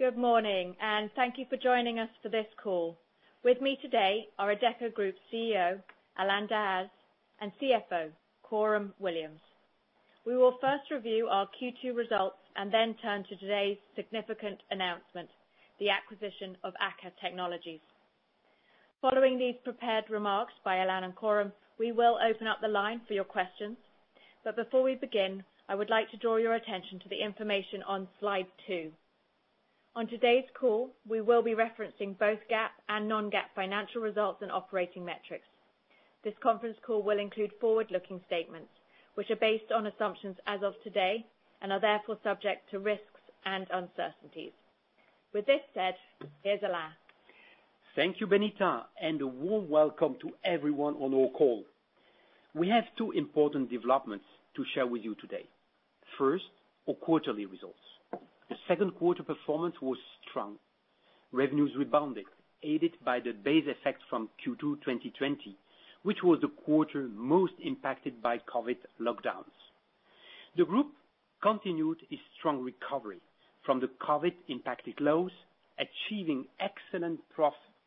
Good morning. Thank you for joining us for this call. With me today are Adecco Group CEO, Alain Dehaze, and CFO, Coram Williams. We will first review our Q2 results and then turn to today's significant announcement, the acquisition of AKKA Technologies. Following these prepared remarks by Alain and Coram, we will open up the line for your questions. Before we begin, I would like to draw your attention to the information on Slide 2. On today's call, we will be referencing both GAAP and non-GAAP financial results and operating metrics. This conference call will include forward-looking statements, which are based on assumptions as of today and are therefore subject to risks and uncertainties. With this said, here's Alain. Thank you, Benita, and a warm welcome to everyone on our call. We have two important developments to share with you today. First, our quarterly results. The second quarter performance was strong. Revenues rebounded, aided by the base effect from Q2 2020, which was the quarter most impacted by COVID lockdowns. The group continued a strong recovery from the COVID impacted lows, achieving excellent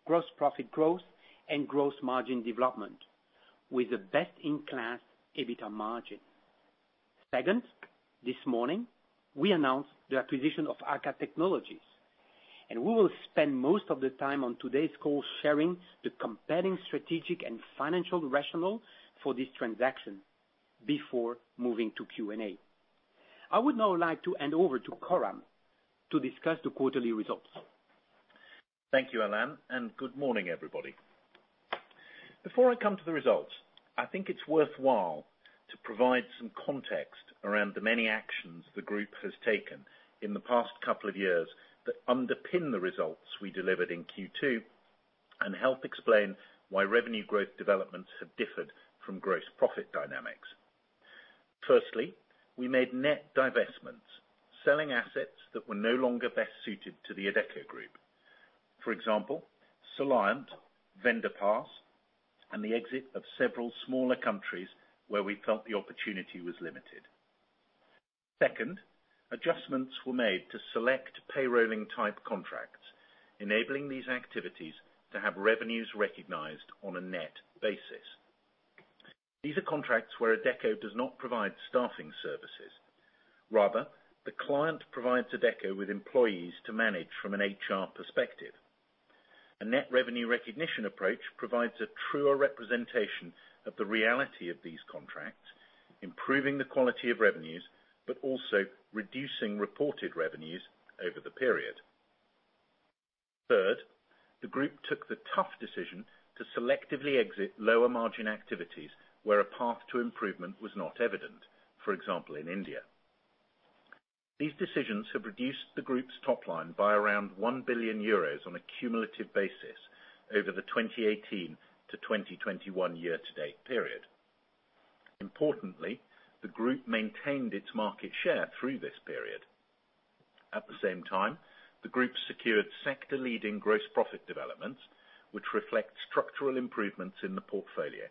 gross profit growth and gross margin development with a best-in-class EBITDA margin. Second, this morning, we announced the acquisition of AKKA Technologies, we will spend most of the time on today's call sharing the compelling strategic and financial rationale for this transaction before moving to Q&A. I would now like to hand over to Coram to discuss the quarterly results. Thank you, Alain, and good morning, everybody. Before I come to the results, I think it's worthwhile to provide some context around the many actions the group has taken in the past couple of years that underpin the results we delivered in Q2 and help explain why revenue growth developments have differed from gross profit dynamics. Firstly, we made net divestments, selling assets that were no longer best suited to The Adecco Group. For example, Soliant, Vendorpass, and the exit of several smaller countries where we felt the opportunity was limited. Second, adjustments were made to select payrolling-type contracts, enabling these activities to have revenues recognized on a net basis. These are contracts where Adecco does not provide staffing services. Rather, the client provides Adecco with employees to manage from an HR perspective. A net revenue recognition approach provides a truer representation of the reality of these contracts, improving the quality of revenues, but also reducing reported revenues over the period. Third, the group took the tough decision to selectively exit lower-margin activities where a path to improvement was not evident, for example, in India. These decisions have reduced the group's top line by around 1 billion euros on a cumulative basis over the 2018-2021 year-to-date period. Importantly, the group maintained its market share through this period. At the same time, the group secured sector-leading gross profit developments, which reflect structural improvements in the portfolio.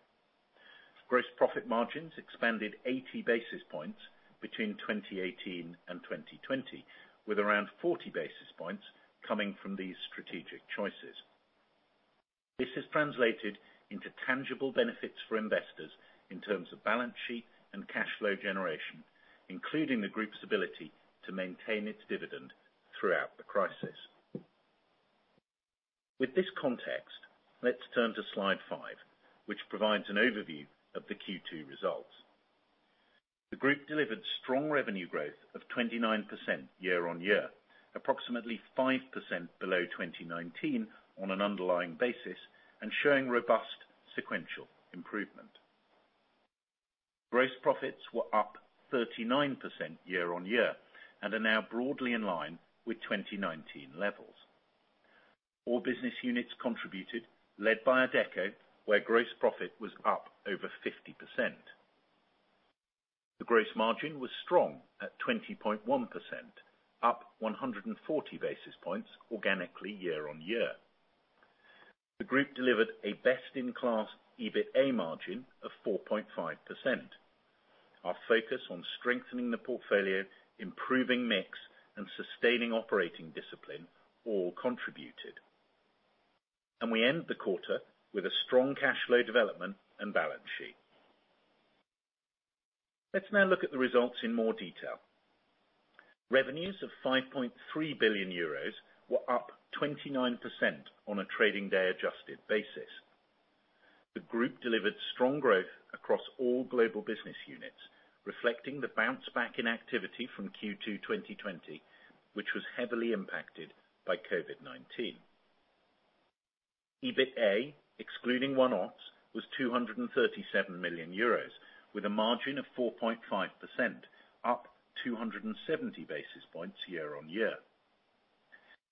Gross profit margins expanded 80 basis points between 2018 and 2020, with around 40 basis points coming from these strategic choices. This has translated into tangible benefits for investors in terms of balance sheet and cash flow generation, including the group's ability to maintain its dividend throughout the crisis. With this context, let's turn to Slide 5, which provides an overview of the Q2 results. The group delivered strong revenue growth of 29% year-on-year, approximately 5% below 2019 on an underlying basis and showing robust sequential improvement. Gross profits were up 39% year-on-year and are now broadly in line with 2019 levels. All business units contributed, led by Adecco, where gross profit was up over 50%. The gross margin was strong at 20.1%, up 140 basis points organically year-on-year. The group delivered a best-in-class EBITA margin of 4.5%. Our focus on strengthening the portfolio, improving mix, and sustaining operating discipline all contributed. We end the quarter with a strong cash flow development and balance sheet. Let's now look at the results in more detail. Revenues of 5.3 billion euros were up 29% on a trading day adjusted basis. The group delivered strong growth across all global business units, reflecting the bounce back in activity from Q2 2020, which was heavily impacted by COVID-19. EBITA, excluding one-offs, was EUR 237 million, with a margin of 4.5%, up 270 basis points year-on-year.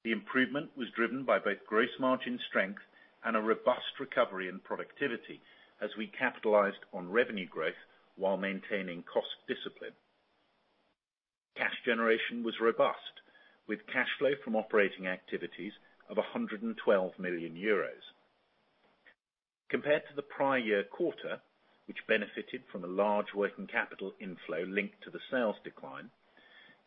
The improvement was driven by both gross margin strength and a robust recovery in productivity as we capitalized on revenue growth while maintaining cost discipline. Cash generation was robust, with cash flow from operating activities of 112 million euros. Compared to the prior year quarter, which benefited from a large working capital inflow linked to the sales decline,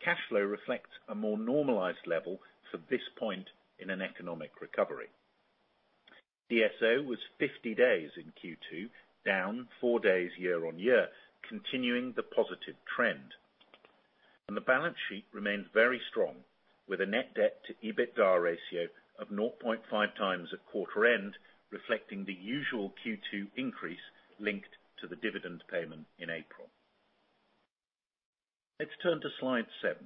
cash flow reflects a more normalized level for this point in an economic recovery. DSO was 50 days in Q2, down four days year-on-year, continuing the positive trend. The balance sheet remained very strong, with a net debt to EBITDA ratio of 0.5 times at quarter end, reflecting the usual Q2 increase linked to the dividend payment in April. Let's turn to Slide 7.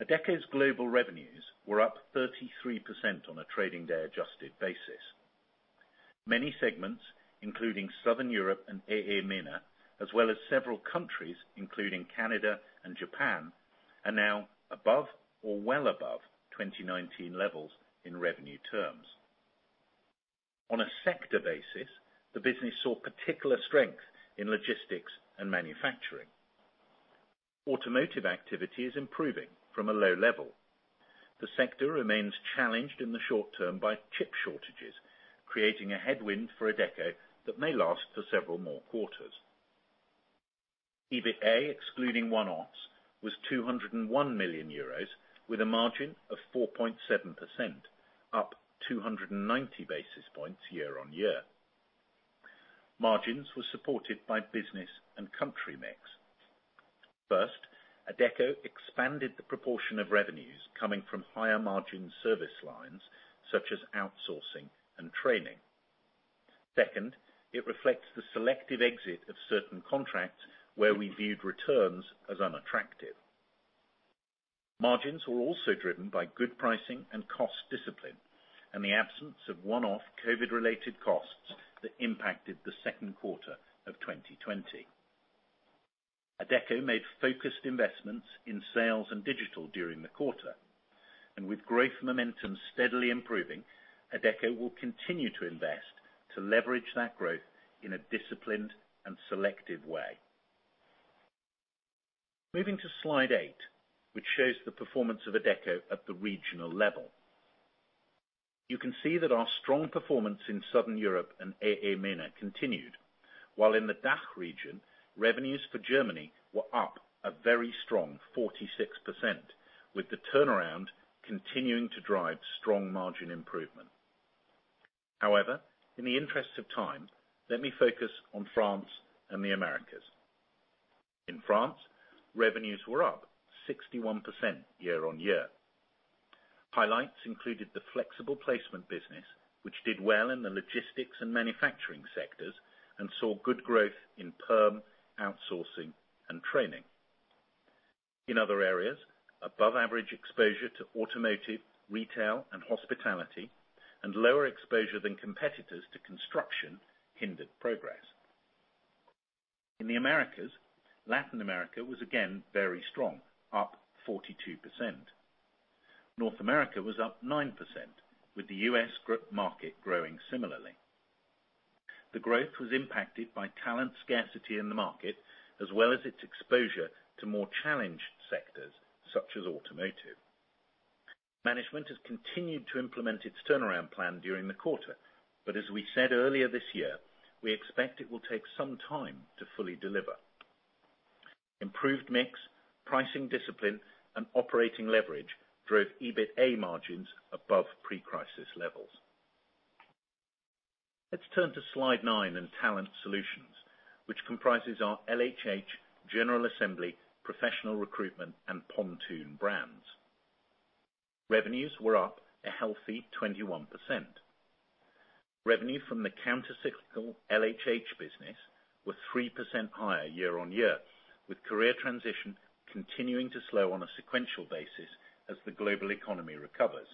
Adecco's global revenues were up 33% on a trading day adjusted basis. Many segments, including Southern Europe and AAMENA, as well as several countries, including Canada and Japan, are now above or well above 2019 levels in revenue terms. On a sector basis, the business saw particular strength in logistics and manufacturing. Automotive activity is improving from a low level. The sector remains challenged in the short term by chip shortages, creating a headwind for Adecco that may last for several more quarters. EBITA, excluding one-offs, was 201 million euros, with a margin of 4.7%, up 290 basis points year-on-year. Margins were supported by business and country mix. First, Adecco expanded the proportion of revenues coming from higher margin service lines such as outsourcing and training. Second, it reflects the selective exit of certain contracts where we viewed returns as unattractive. Margins were also driven by good pricing and cost discipline and the absence of one-off COVID-related costs that impacted the second quarter of 2020. Adecco made focused investments in sales and digital during the quarter. With growth momentum steadily improving, Adecco will continue to invest to leverage that growth in a disciplined and selective way. Moving to Slide 8, which shows the performance of Adecco at the regional level. You can see that our strong performance in Southern Europe and AAMENA continued, while in the DACH region, revenues for Germany were up a very strong 46%, with the turnaround continuing to drive strong margin improvement. However, in the interest of time, let me focus on France and the Americas. In France, revenues were up 61% year-on-year. Highlights included the flexible placement business, which did well in the logistics and manufacturing sectors and saw good growth in perm, outsourcing, and training. In other areas, above average exposure to automotive, retail, and hospitality, and lower exposure than competitors to construction hindered progress. In the Americas, Latin America was again very strong, up 42%. North America was up 9%, with the U.S. group market growing similarly. The growth was impacted by talent scarcity in the market, as well as its exposure to more challenged sectors such as automotive. Management has continued to implement its turnaround plan during the quarter, but as we said earlier this year, we expect it will take some time to fully deliver. Improved mix, pricing discipline, and operating leverage drove EBITA margins above pre-crisis levels. Let's turn to Slide 9 in Talent Solutions, which comprises our LHH, General Assembly, Professional Recruitment, and Pontoon brands. Revenues were up a healthy 21%. Revenue from the counter-cyclical LHH business were 3% higher year-on-year, with career transition continuing to slow on a sequential basis as the global economy recovers.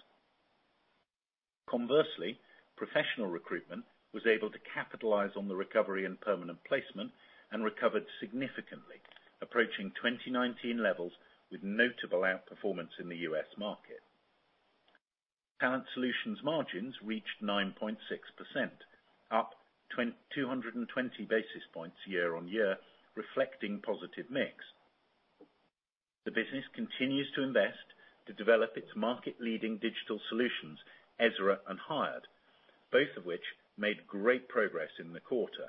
Conversely, Professional Recruitment was able to capitalize on the recovery in permanent placement and recovered significantly, approaching 2019 levels with notable outperformance in the U.S. market. Talent Solutions margins reached 9.6%, up 220 basis points year-on-year, reflecting positive mix. The business continues to invest to develop its market-leading digital solutions, EZRA and Hired, both of which made great progress in the quarter.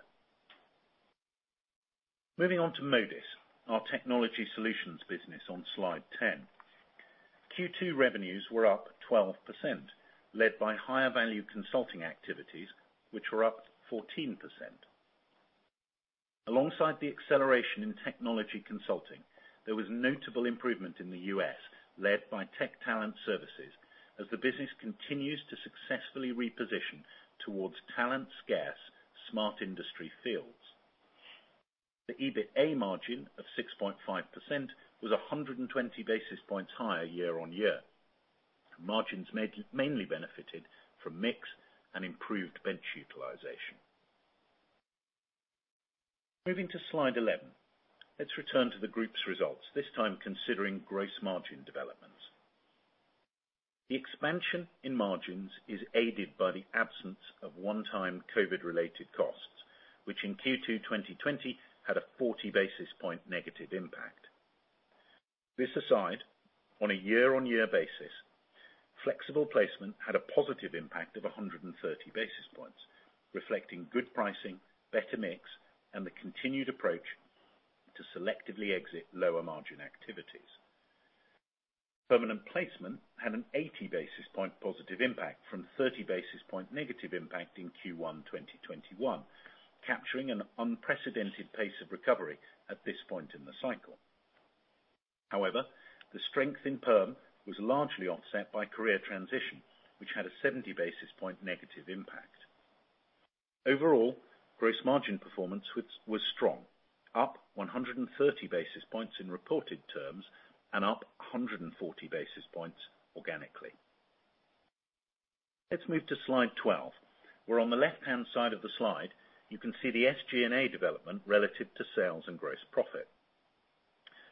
Moving on to Modis, our technology solutions business on Slide 10. Q2 revenues were up 12%, led by higher value consulting activities, which were up 14%. Alongside the acceleration in technology consulting, there was notable improvement in the U.S., led by tech talent services as the business continues to successfully reposition towards talent scarce, smart industry fields. The EBITA margin of 6.5% was 120 basis points higher year-on-year. Margins mainly benefited from mix and improved bench utilization. Moving to Slide 11. Let's return to the group's results, this time considering gross margin developments. The expansion in margins is aided by the absence of one-time COVID-related costs, which in Q2 2020 had a 40 basis point negative impact. This aside, on a year-on-year basis, flexible placement had a positive impact of 130 basis points, reflecting good pricing, better mix, and the continued approach to selectively exit lower margin activities. Permanent placement had an 80 basis point positive impact from 30 basis point negative impact in Q1 2021, capturing an unprecedented pace of recovery at this point in the cycle. However, the strength in perm was largely offset by career transition, which had a 70 basis point negative impact. Overall, gross margin performance was strong, up 130 basis points in reported terms and up 140 basis points organically. Let's move to Slide 12, where on the left-hand side of the slide, you can see the SG&A development relative to sales and gross profit.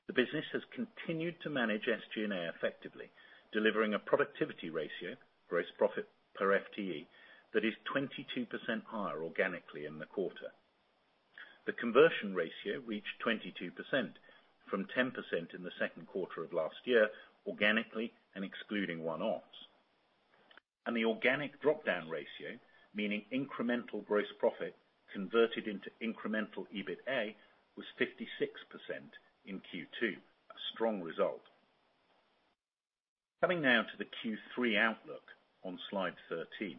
The business has continued to manage SG&A effectively, delivering a productivity ratio, gross profit per FTE, that is 22% higher organically in the quarter. The conversion ratio reached 22%, from 10% in the second quarter of last year, organically and excluding one-offs. The organic drop-down ratio, meaning incremental gross profit converted into incremental EBITA, was 56% in Q2. A strong result. Coming now to the Q3 outlook on Slide 13.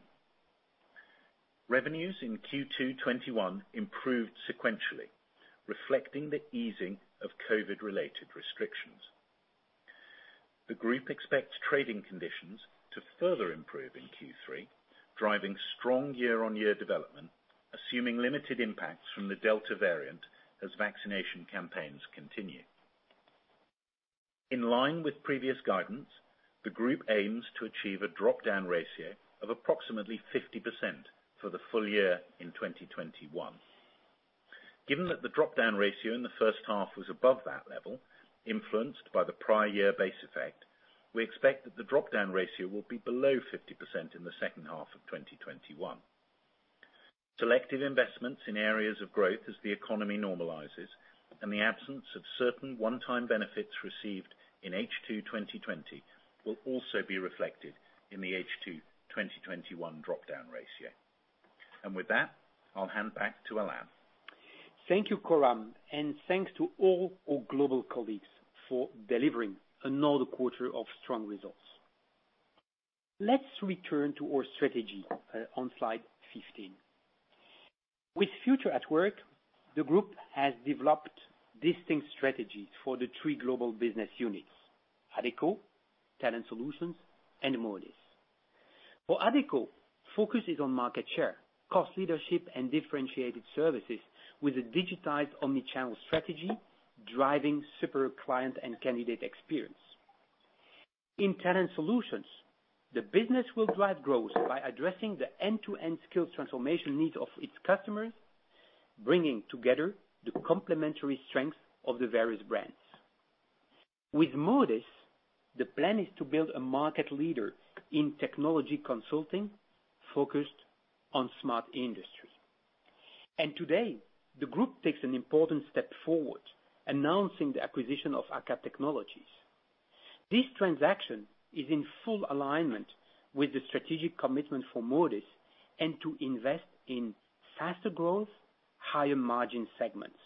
Revenues in Q2 2021 improved sequentially, reflecting the easing of COVID-related restrictions. The group expects trading conditions to further improve in Q3, driving strong year-on-year development, assuming limited impacts from the Delta variant as vaccination campaigns continue. In line with previous guidance, the group aims to achieve a drop-down ratio of approximately 50% for the full year in 2021. Given that the drop-down ratio in the first half was above that level, influenced by the prior year base effect, we expect that the drop-down ratio will be below 50% in the second half of 2021. Selective investments in areas of growth as the economy normalizes, and the absence of certain one-time benefits received in H2 2020 will also be reflected in the H2 2021 drop-down ratio. With that, I'll hand back to Alain. Thank you, Coram, and thanks to all our global colleagues for delivering another quarter of strong results. Let's return to our strategy on Slide 15. With Future at Work, the group has developed distinct strategies for the three global business units, Adecco, Talent Solutions, and Modis. For Adecco, focus is on market share, cost leadership, and differentiated services with a digitized omni-channel strategy, driving super client and candidate experience. In Talent Solutions, the business will drive growth by addressing the end-to-end skills transformation needs of its customers, bringing together the complementary strengths of the various brands. With Modis, the plan is to build a market leader in technology consulting focused on smart industry. Today, the group takes an important step forward, announcing the acquisition of AKKA Technologies. This transaction is in full alignment with the strategic commitment for Modis and to invest in faster growth, higher margin segments.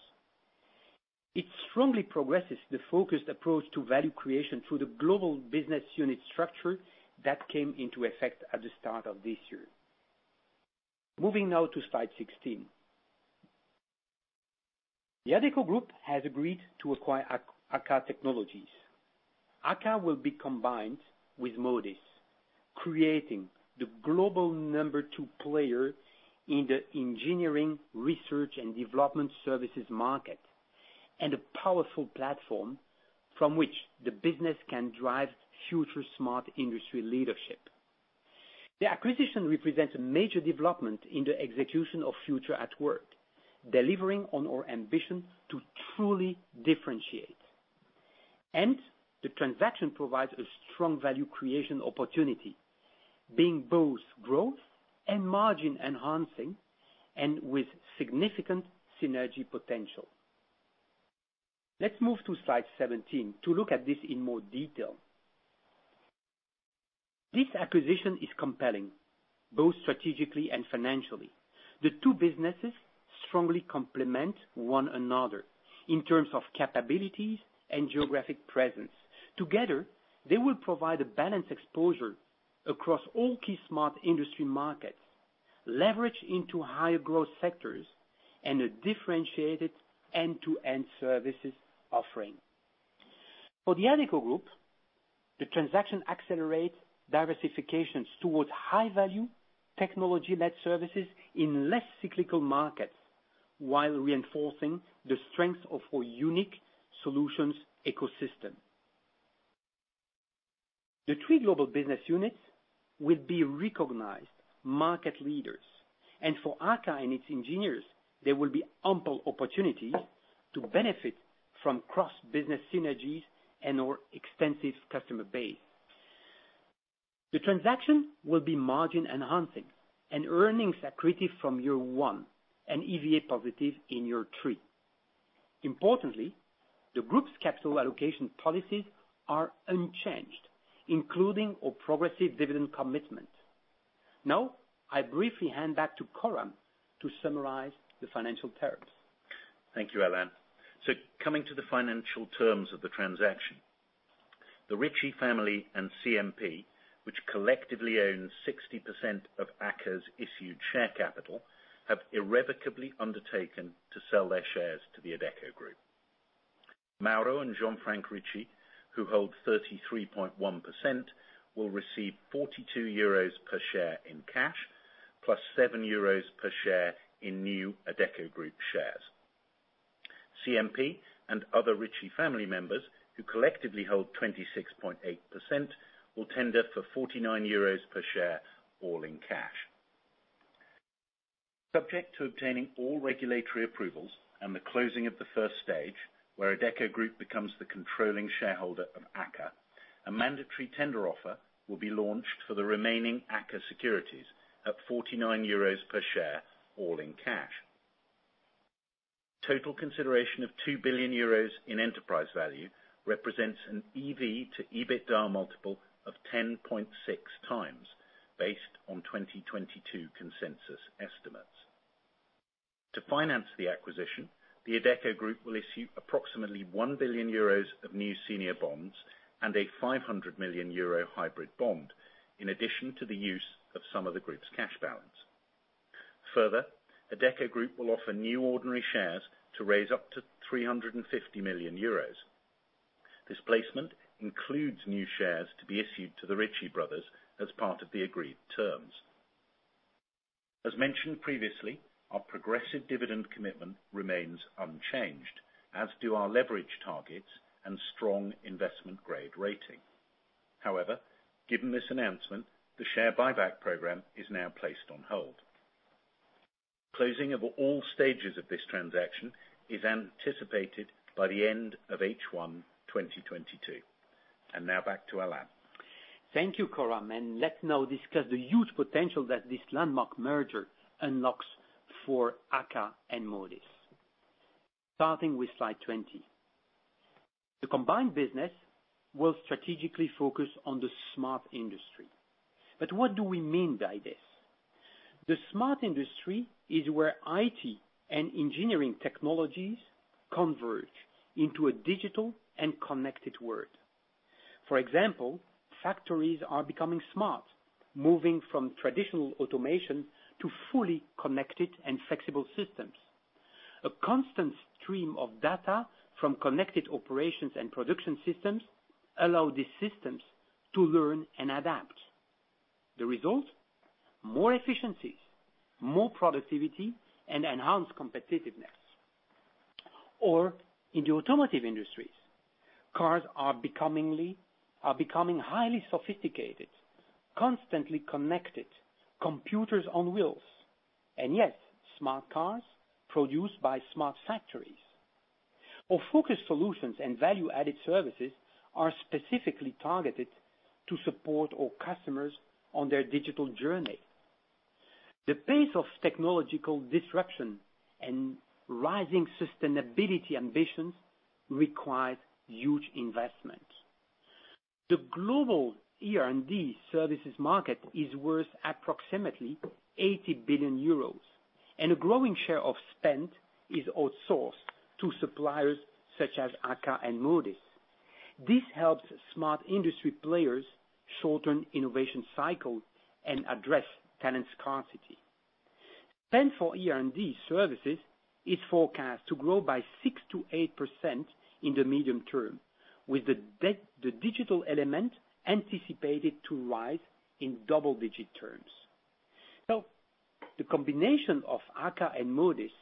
It strongly progresses the focused approach to value creation through the global business unit structure that came into effect at the start of this year. Moving now to Slide 16. The Adecco Group has agreed to acquire AKKA Technologies. AKKA will be combined with Modis, creating the global number two player in the engineering, research, and development services market, and a powerful platform from which the business can drive future smart industry leadership. The acquisition represents a major development in the execution of Future at Work, delivering on our ambition to truly differentiate. The transaction provides a strong value creation opportunity, being both growth and margin enhancing, and with significant synergy potential. Let's move to Slide 17 to look at this in more detail. This acquisition is compelling, both strategically and financially. The two businesses strongly complement one another in terms of capabilities and geographic presence. Together, they will provide a balanced exposure across all key smart industry markets, leverage into higher growth sectors, and a differentiated end-to-end services offering. For The Adecco Group, the transaction accelerates diversifications towards high value, technology-led services in less cyclical markets while reinforcing the strength of our unique solutions ecosystem. The three global business units will be recognized market leaders. For AKKA and its engineers, there will be ample opportunities to benefit from cross-business synergies and our extensive customer base. The transaction will be margin enhancing and earnings accretive from year one and EVA-positive in year three. Importantly, the group's capital allocation policies are unchanged, including our progressive dividend commitment. Now, I briefly hand back to Coram to summarize the financial terms. Thank you, Alain. Coming to the financial terms of the transaction. The Ricci family and CNP, which collectively own 60% of AKKA's issued share capital, have irrevocably undertaken to sell their shares to The Adecco Group. Mauro and Jean-Franck Ricci, who hold 33.1%, will receive 42 euros per share in cash, plus 7 euros per share in new Adecco Group shares. CNP and other Ricci family members, who collectively hold 26.8%, will tender for 49 euros per share, all in cash. Subject to obtaining all regulatory approvals and the closing of the first stage, where Adecco Group becomes the controlling shareholder of AKKA, a mandatory tender offer will be launched for the remaining AKKA securities at 49 euros per share, all in cash. Total consideration of 2 billion euros in enterprise value represents an EV to EBITDA multiple of 10.6x based on 2022 consensus estimates. To finance the acquisition, The Adecco Group will issue approximately €1 billion of new senior bonds and a €500 million hybrid bond, in addition to the use of some of the group's cash balance. Further, Adecco Group will offer new ordinary shares to raise up to €350 million. This placement includes new shares to be issued to the Ricci brothers as part of the agreed terms. As mentioned previously, our progressive dividend commitment remains unchanged, as do our leverage targets and strong investment grade rating. However, given this announcement, the share buyback program is now placed on hold. Closing of all stages of this transaction is anticipated by the end of H1 2022. Now back to Alain. Thank you, Coram. Let's now discuss the huge potential that this landmark merger unlocks for AKKA and Modis. Starting with Slide 20. The combined business will strategically focus on the smart industry. What do we mean by this? The smart industry is where IT and engineering technologies converge into a digital and connected world. For example, factories are becoming smart, moving from traditional automation to fully connected and flexible systems. A constant stream of data from connected operations and production systems allow these systems to learn and adapt. The result? More efficiencies, more productivity, and enhanced competitiveness. In the automotive industries, cars are becoming highly sophisticated, constantly connected computers on wheels. Yes, smart cars produced by smart factories. Our focused solutions and value-added services are specifically targeted to support our customers on their digital journey. The pace of technological disruption and rising sustainability ambitions requires huge investments. The global ER&D services market is worth approximately 80 billion euros, and a growing share of spend is outsourced to suppliers such as AKKA and Modis. This helps smart industry players shorten innovation cycles and address talent scarcity. Spend for ER&D services is forecast to grow by 6%-8% in the medium term, with the digital element anticipated to rise in double-digit terms. The combination of AKKA and Modis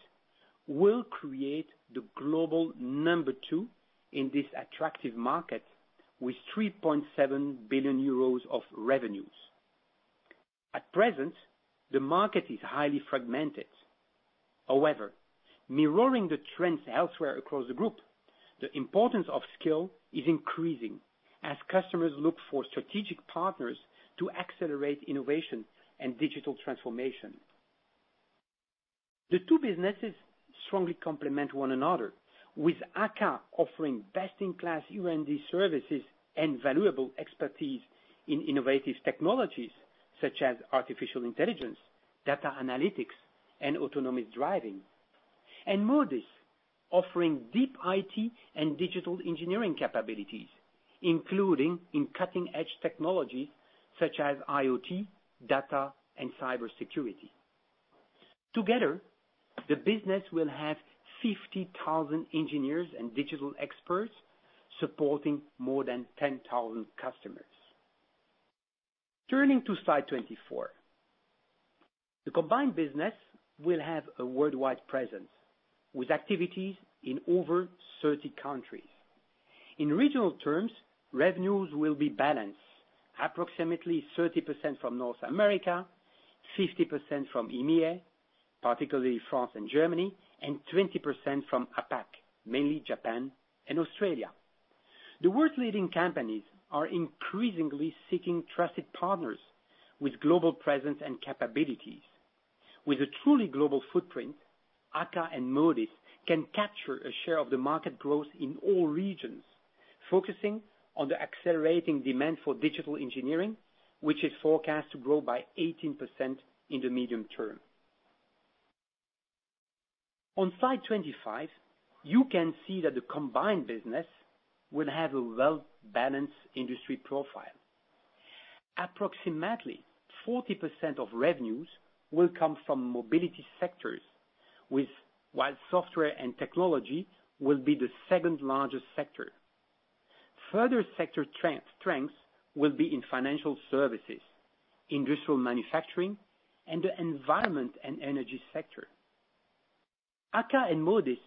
will create the global number two in this attractive market with 3.7 billion euros of revenues. At present, the market is highly fragmented. However, mirroring the trends elsewhere across the group, the importance of skill is increasing as customers look for strategic partners to accelerate innovation and digital transformation. The two businesses strongly complement one another, with AKKA offering best-in-class ER&D services and valuable expertise in innovative technologies such as artificial intelligence, data analytics, and autonomous driving. Modis offering deep IT and digital engineering capabilities, including in cutting-edge technologies such as IoT, data, and cybersecurity. Together, the business will have 50,000 engineers and digital experts supporting more than 10,000 customers. Turning to Slide 24. The combined business will have a worldwide presence with activities in over 30 countries. In regional terms, revenues will be balanced, approximately 30% from North America, 50% from EMEA, particularly France and Germany, and 20% from APAC, mainly Japan and Australia. The world's leading companies are increasingly seeking trusted partners with global presence and capabilities. With a truly global footprint, AKKA and Modis can capture a share of the market growth in all regions, focusing on the accelerating demand for digital engineering, which is forecast to grow by 18% in the medium term. On Slide 25, you can see that the combined business will have a well-balanced industry profile. Approximately 40% of revenues will come from mobility sectors, while software and technology will be the second largest sector. Further sector strengths will be in financial services, industrial manufacturing, and the environment and energy sector. AKKA and Modis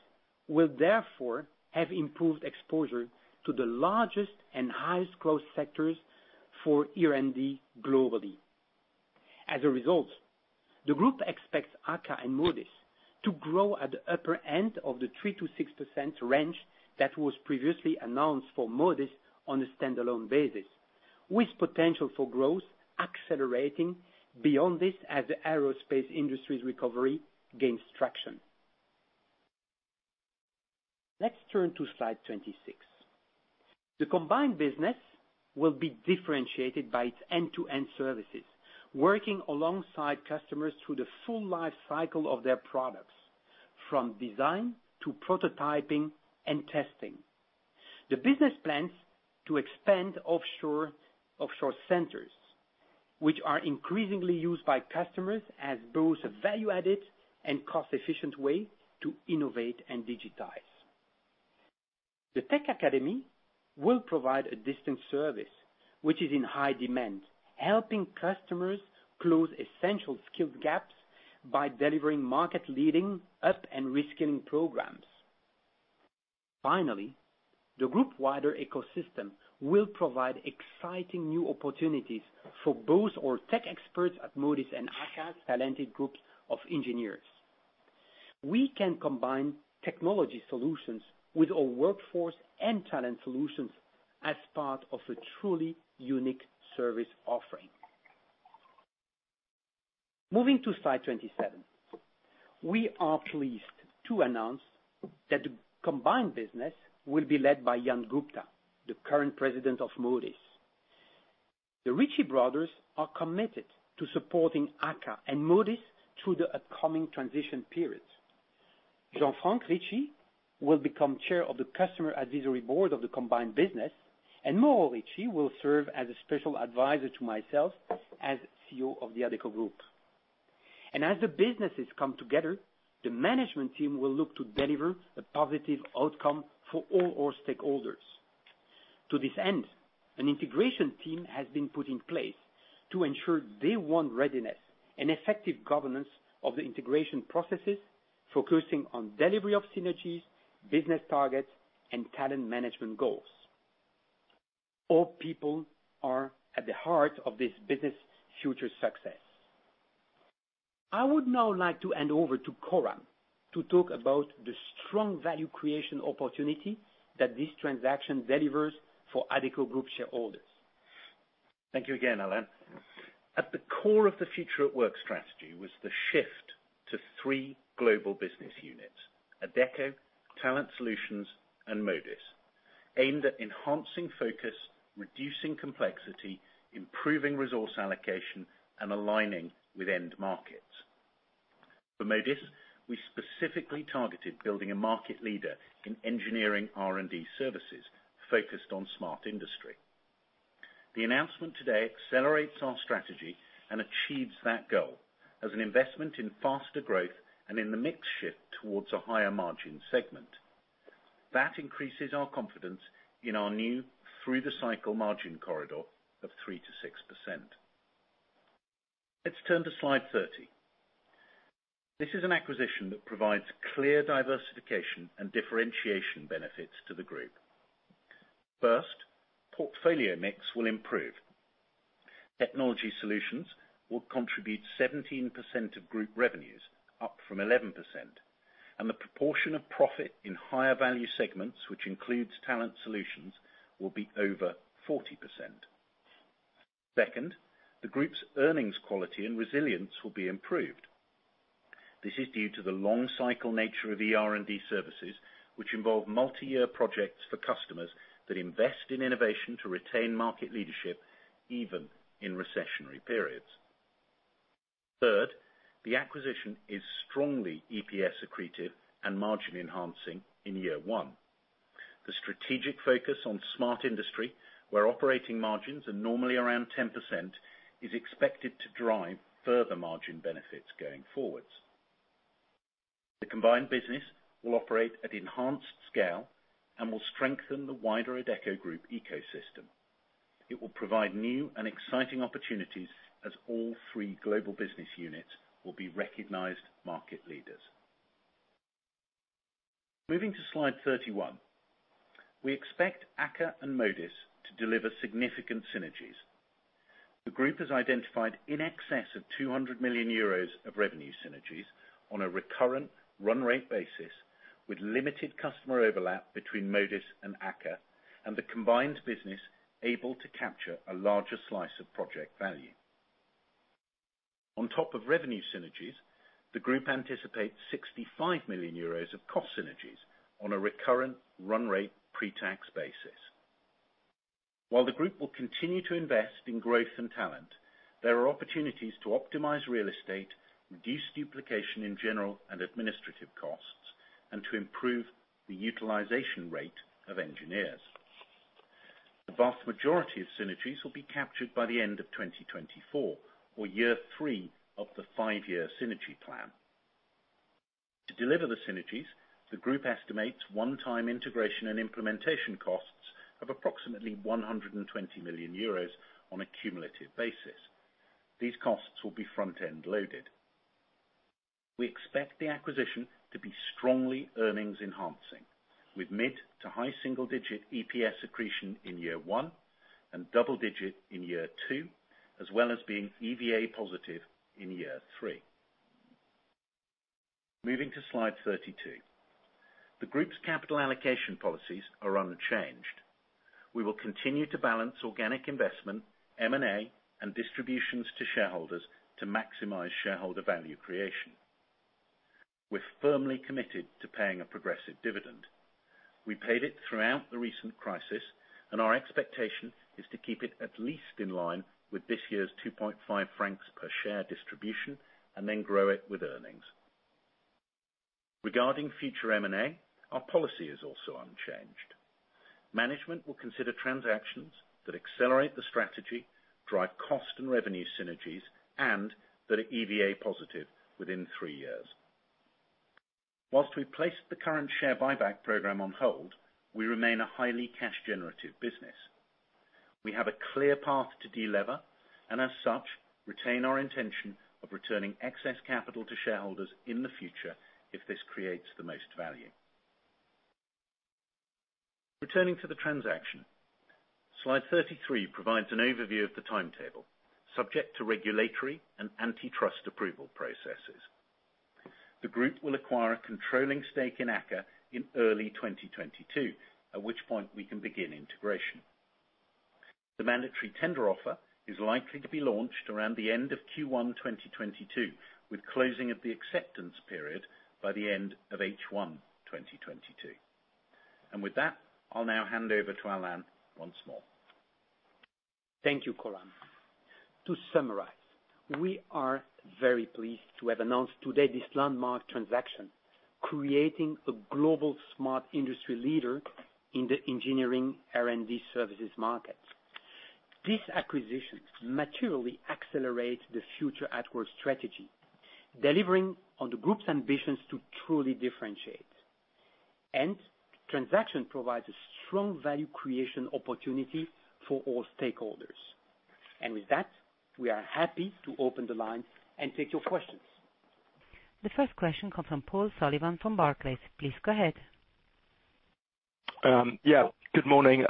will therefore have improved exposure to the largest and highest growth sectors for ER&D globally. As a result, the group expects AKKA and Modis to grow at the upper end of the 3%-6% range that was previously announced for Modis on a standalone basis, with potential for growth accelerating beyond this as the aerospace industry's recovery gains traction. Let's turn to Slide 26. The combined business will be differentiated by its end-to-end services, working alongside customers through the full life cycle of their products, from design to prototyping and testing. The business plans to expand offshore centers, which are increasingly used by customers as both a value-added and cost-efficient way to innovate and digitize. The Tech Academy will provide a distant service, which is in high demand, helping customers close essential skills gaps by delivering market-leading up- and reskilling programs. Finally, the group-wider ecosystem will provide exciting new opportunities for both our tech experts at Modis and AKKA's talented groups of engineers. We can combine technology solutions with our workforce and talent solutions as part of a truly unique service offering. Moving to Slide 27. We are pleased to announce that the combined business will be led by Jan Gupta, the current president of Modis. The Ricci brothers are committed to supporting AKKA and Modis through the upcoming transition period. Jean-Franck Ricci will become chair of the customer advisory board of the combined business, and Mauro Ricci will serve as a special advisor to myself as CEO of The Adecco Group. As the businesses come together, the management team will look to deliver a positive outcome for all our stakeholders. To this end, an integration team has been put in place to ensure day one readiness and effective governance of the integration processes, focusing on delivery of synergies, business targets, and talent management goals. Our people are at the heart of this business' future success. I would now like to hand over to Coram to talk about the strong value creation opportunity that this transaction delivers for Adecco Group shareholders. Thank you again, Alain. At the core of the Future at Work strategy was the shift to three global business units, Adecco, Talent Solutions, and Modis, aimed at enhancing focus, reducing complexity, improving resource allocation, and aligning with end markets. For Modis, we specifically targeted building a market leader in engineering R&D services focused on smart industry. The announcement today accelerates our strategy and achieves that goal as an investment in faster growth and in the mix shift towards a higher margin segment. That increases our confidence in our new through the cycle margin corridor of 3%-6%. Let's turn to Slide 30. This is an acquisition that provides clear diversification and differentiation benefits to the group. First, portfolio mix will improve. Technology solutions will contribute 17% of group revenues, up from 11%. The proportion of profit in higher value segments, which includes Talent Solutions, will be over 40%. Second, the group's earnings quality and resilience will be improved. This is due to the long cycle nature of ER&D services, which involve multiyear projects for customers that invest in innovation to retain market leadership, even in recessionary periods. Third, the acquisition is strongly EPS accretive and margin-enhancing in year one. The strategic focus on smart industry, where operating margins are normally around 10%, is expected to drive further margin benefits going forwards. The combined business will operate at enhanced scale and will strengthen the wider Adecco Group ecosystem. It will provide new and exciting opportunities as all three global business units will be recognized market leaders. Moving to Slide 31. We expect AKKA and Modis to deliver significant synergies. The group has identified in excess of 200 million euros of revenue synergies on a recurrent run-rate basis, with limited customer overlap between Modis and AKKA, and the combined business able to capture a larger slice of project value. On top of revenue synergies, the group anticipates 65 million euros of cost synergies on a recurrent run-rate pre-tax basis. While the group will continue to invest in growth and talent, there are opportunities to optimize real estate, reduce duplication in general and administrative costs, and to improve the utilization rate of engineers. The vast majority of synergies will be captured by the end of 2024, or year three of the five-year synergy plan. To deliver the synergies, the group estimates one-time integration and implementation costs of approximately 120 million euros on a cumulative basis. These costs will be front-end loaded. We expect the acquisition to be strongly earnings enhancing, with mid-to-high single-digit EPS accretion in year one and double-digit in year two, as well as being EVA-positive in year three. Moving to Slide 32. The group's capital allocation policies are unchanged. We will continue to balance organic investment, M&A, and distributions to shareholders to maximize shareholder value creation. We're firmly committed to paying a progressive dividend. We paid it throughout the recent crisis, and our expectation is to keep it at least in line with this year's 2.5 francs per share distribution, and then grow it with earnings. Regarding future M&A, our policy is also unchanged. Management will consider transactions that accelerate the strategy, drive cost and revenue synergies, and that are EVA positive within three years. While we place the current share buyback program on hold, we remain a highly cash-generative business. We have a clear path to de-lever, and as such, retain our intention of returning excess capital to shareholders in the future if this creates the most value. Returning to the transaction, Slide 33 provides an overview of the timetable, subject to regulatory and antitrust approval processes. The group will acquire a controlling stake in AKKA in early 2022, at which point we can begin integration. The mandatory tender offer is likely to be launched around the end of Q1 2022, with closing of the acceptance period by the end of H1 2022. With that, I'll now hand over to Alain once more. Thank you, Coram. To summarize, we are very pleased to have announced today this landmark transaction, creating a global smart industry leader in the engineering R&D services market. This acquisition materially accelerates the Future at Work strategy, delivering on the group's ambitions to truly differentiate. Transaction provides a strong value creation opportunity for all stakeholders. With that, we are happy to open the line and take your questions. The first question comes from Paul Sullivan from Barclays. Please go ahead. Good morning.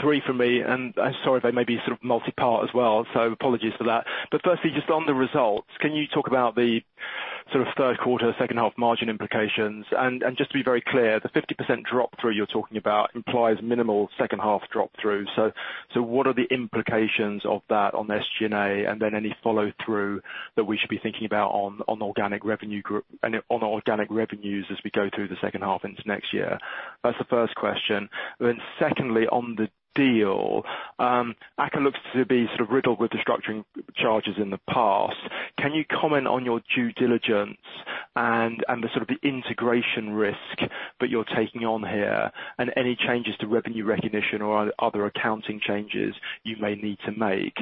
Three from me, I'm sorry if they may be multi-part as well, so apologies for that. Firstly, just on the results, can you talk about the third quarter, second half margin implications? Just to be very clear, the 50% drop through you're talking about implies minimal second half drop through. What are the implications of that on SG&A, and then any follow through that we should be thinking about on organic revenues as we go through the second half into next year? That's the first question. Secondly, on the deal, AKKA looks to be riddled with restructuring charges in the past. Can you comment on your due diligence and the integration risk that you're taking on here, and any changes to revenue recognition or other accounting changes you may need to make?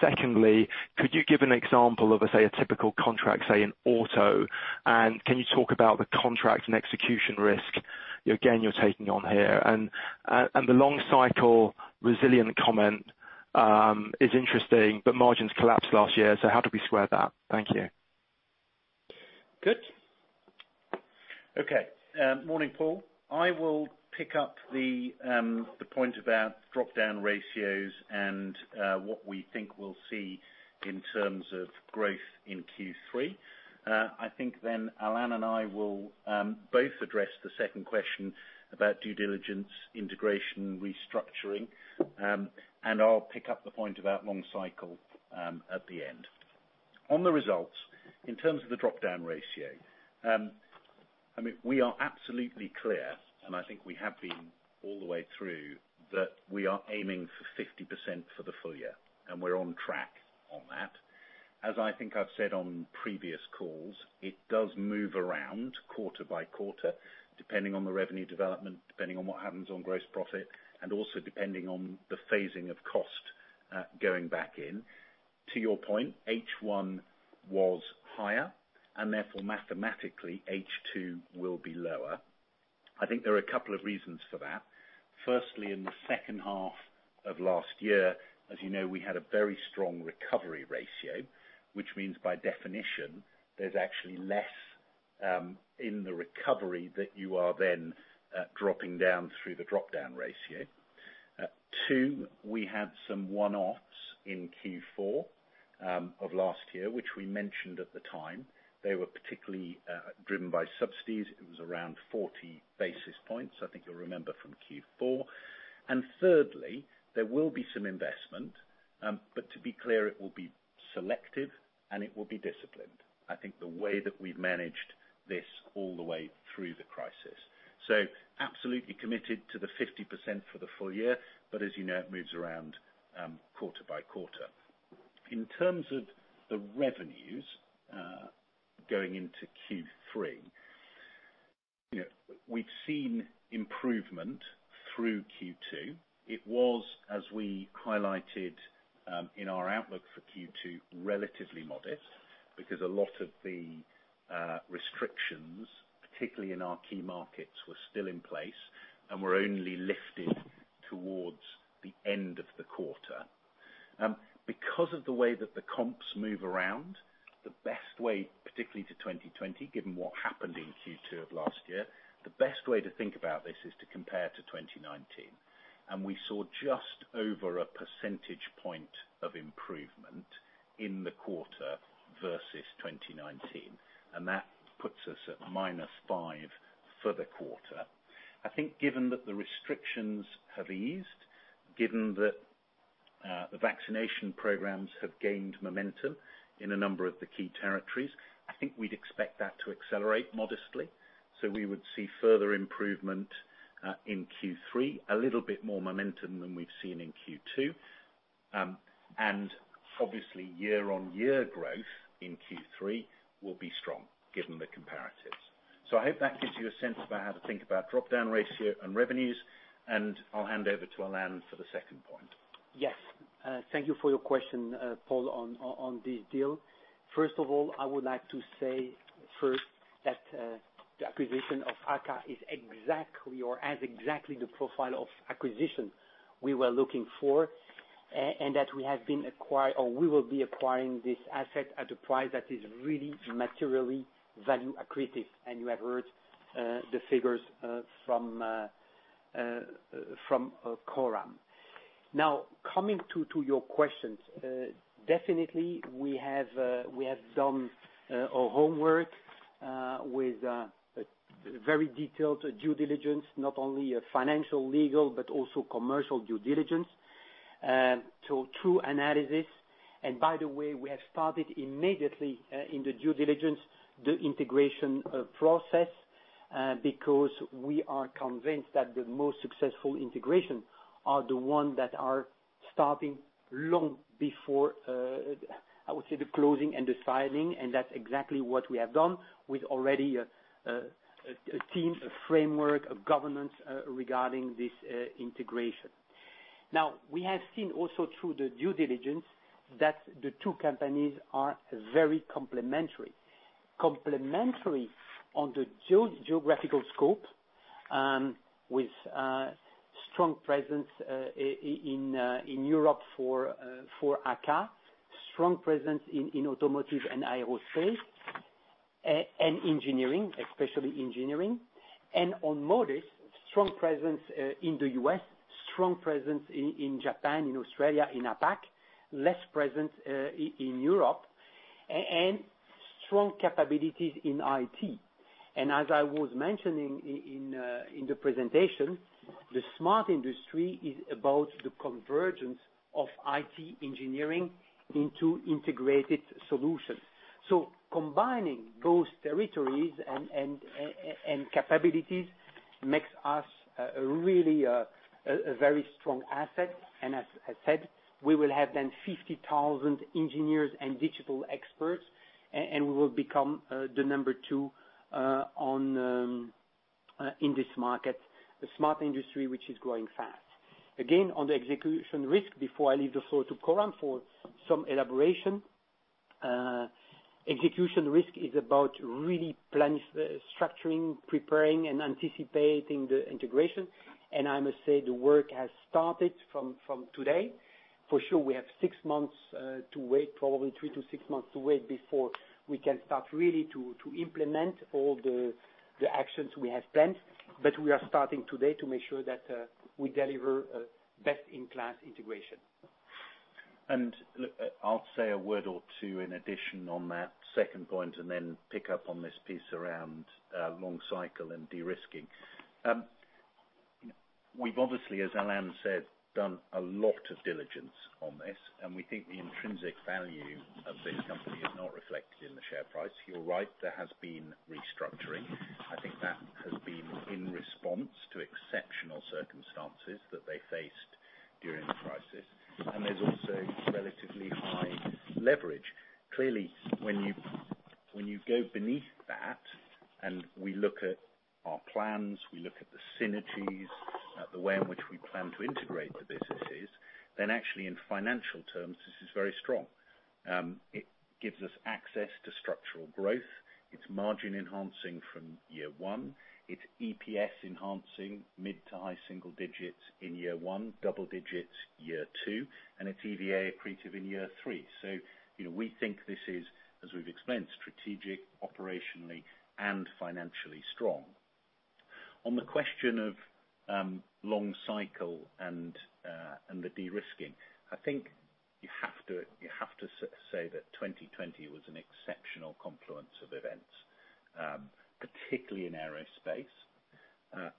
Secondly, could you give an example of, say, a typical contract, say, in auto, and can you talk about the contract and execution risk again, you're taking on here? The long cycle resilient comment is interesting, but margins collapsed last year, how do we square that? Thank you. Good. Okay. Morning, Paul. I will pick up the point about drop-down ratios and what we think we'll see in terms of growth in Q3. I think then Alain and I will both address the second question about due diligence, integration, restructuring, and I'll pick up the point about long cycle at the end. On the results, in terms of the drop-down ratio, we are absolutely clear, and I think we have been all the way through, that we are aiming for 50% for the full year, and we're on track on that. As I think I've said on previous calls, it does move around quarter-by-quarter, depending on the revenue development, depending on what happens on gross profit, and also depending on the phasing of cost going back in. To your point, H1 was higher, and therefore mathematically, H2 will be lower. I think there are a couple of reasons for that. Firstly, in the second half of last year, as you know, we had a very strong recovery ratio, which means by definition, there's actually less in the recovery that you are then dropping down through the drop-down ratio. Two, we had some one-offs in Q4 of last year, which we mentioned at the time. They were particularly driven by subsidies. It was around 40 basis points. I think you'll remember from Q4. Thirdly, there will be some investment, but to be clear, it will be selective and it will be disciplined. I think the way that we've managed this all the way through the crisis. Absolutely committed to the 50% for the full year. As you know, it moves around quarter-by-quarter. In terms of the revenues going into Q3, we've seen improvement through Q2. It was, as we highlighted in our outlook for Q2, relatively modest, because a lot of the restrictions, particularly in our key markets, were still in place and were only lifted towards the end of the quarter. Because of the way that the comps move around, the best way, particularly to 2020, given what happened in Q2 of last year, the best way to think about this is to compare to 2019. We saw just over a percentage point of improvement in the quarter versus 2019, and that puts us at -5 for the quarter. I think given that the restrictions have eased, given that the vaccination programs have gained momentum in a number of the key territories, I think we'd expect that to accelerate modestly. We would see further improvement, in Q3, a little bit more momentum than we've seen in Q2. Obviously year-on-year growth in Q3 will be strong given the comparatives. I hope that gives you a sense about how to think about drop-down ratio and revenues, and I'll hand over to Alain for the second point. Yes. Thank you for your question, Paul, on this deal. First of all, I would like to say first that the acquisition of AKKA has exactly the profile of acquisition we were looking for, and that we will be acquiring this asset at a price that is really materially value accretive. You have heard the figures from Coram. Now, coming to your questions. Definitely, we have done our homework, with very detailed due diligence, not only financial, legal, but also commercial due diligence. True analysis. By the way, we have started immediately, in the due diligence, the integration process, because we are convinced that the most successful integration are the ones that are starting long before, I would say, the closing and the filing. That's exactly what we have done with already a team, a framework, a governance regarding this integration. Now, we have seen also through the due diligence that the two companies are very complementary. Complementary on the geographical scope, with a strong presence in Europe for AKKA, strong presence in automotive and aerospace, and engineering, especially engineering. On Modis, strong presence in the U.S., strong presence in Japan, in Australia, in APAC, less presence in Europe, and strong capabilities in IT. As I was mentioning in the presentation, the smart industry is about the convergence of IT engineering into integrated solutions. Combining those territories and capabilities makes us a very strong asset. As said, we will have then 50,000 engineers and digital experts, and we will become the number two in this market, the smart industry, which is growing fast. On the execution risk, before I leave the floor to Coram for some elaboration. Execution risk is about really structuring, preparing, and anticipating the integration. I must say the work has started from today. For sure, we have six months to wait, probably three to six months to wait before we can start really to implement all the actions we have planned. We are starting today to make sure that we deliver best-in-class integration. Look, I'll say a word or two in addition on that second point, and then pick up on this piece around long cycle and de-risking. We've obviously, as Alain said, done a lot of diligence on this, and we think the intrinsic value of this company is not reflected in the share price. You're right, there has been restructuring. I think that has been in response to exceptional circumstances that they faced during the crisis. There's also relatively high leverage. Clearly, when you go beneath that and we look at our plans, we look at the synergies, the way in which we plan to integrate the businesses, then actually in financial terms, this is very strong. It gives us access to structural growth. It's margin-enhancing from year one. It's EPS enhancing mid-to-high single digits in year one, double digits year two, and it's EVA-accretive in year three. We think this is, as we've explained, strategic, operationally, and financially strong. On the question of long cycle and the de-risking, I think you have to say that 2020 was an exceptional confluence of events, particularly in aerospace.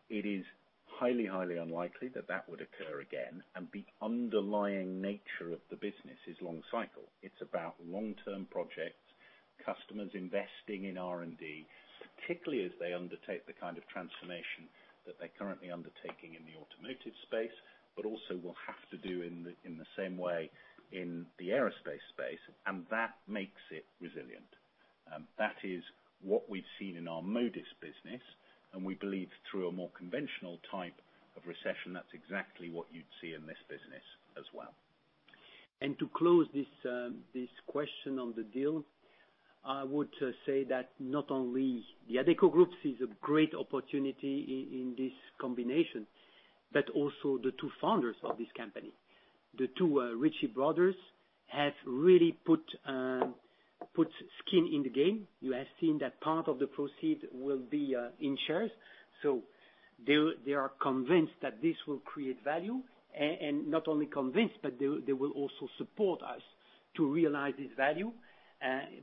It is highly unlikely that that would occur again, and the underlying nature of the business is long cycle. It's about long-term projects, customers investing in R&D, particularly as they undertake the kind of transformation that they're currently undertaking in the automotive space, but also will have to do in the same way in the aerospace space, and that makes it resilient. That is what we've seen in our Modis business, and we believe through a more conventional type of recession, that's exactly what you'd see in this business as well. To close this question on the deal, I would say that not only The Adecco Group sees a great opportunity in this combination, but also the two founders of this company. The two Ricci brothers have really put skin in the game. You have seen that part of the proceed will be in shares. They are convinced that this will create value. Not only convinced, but they will also support us to realize this value,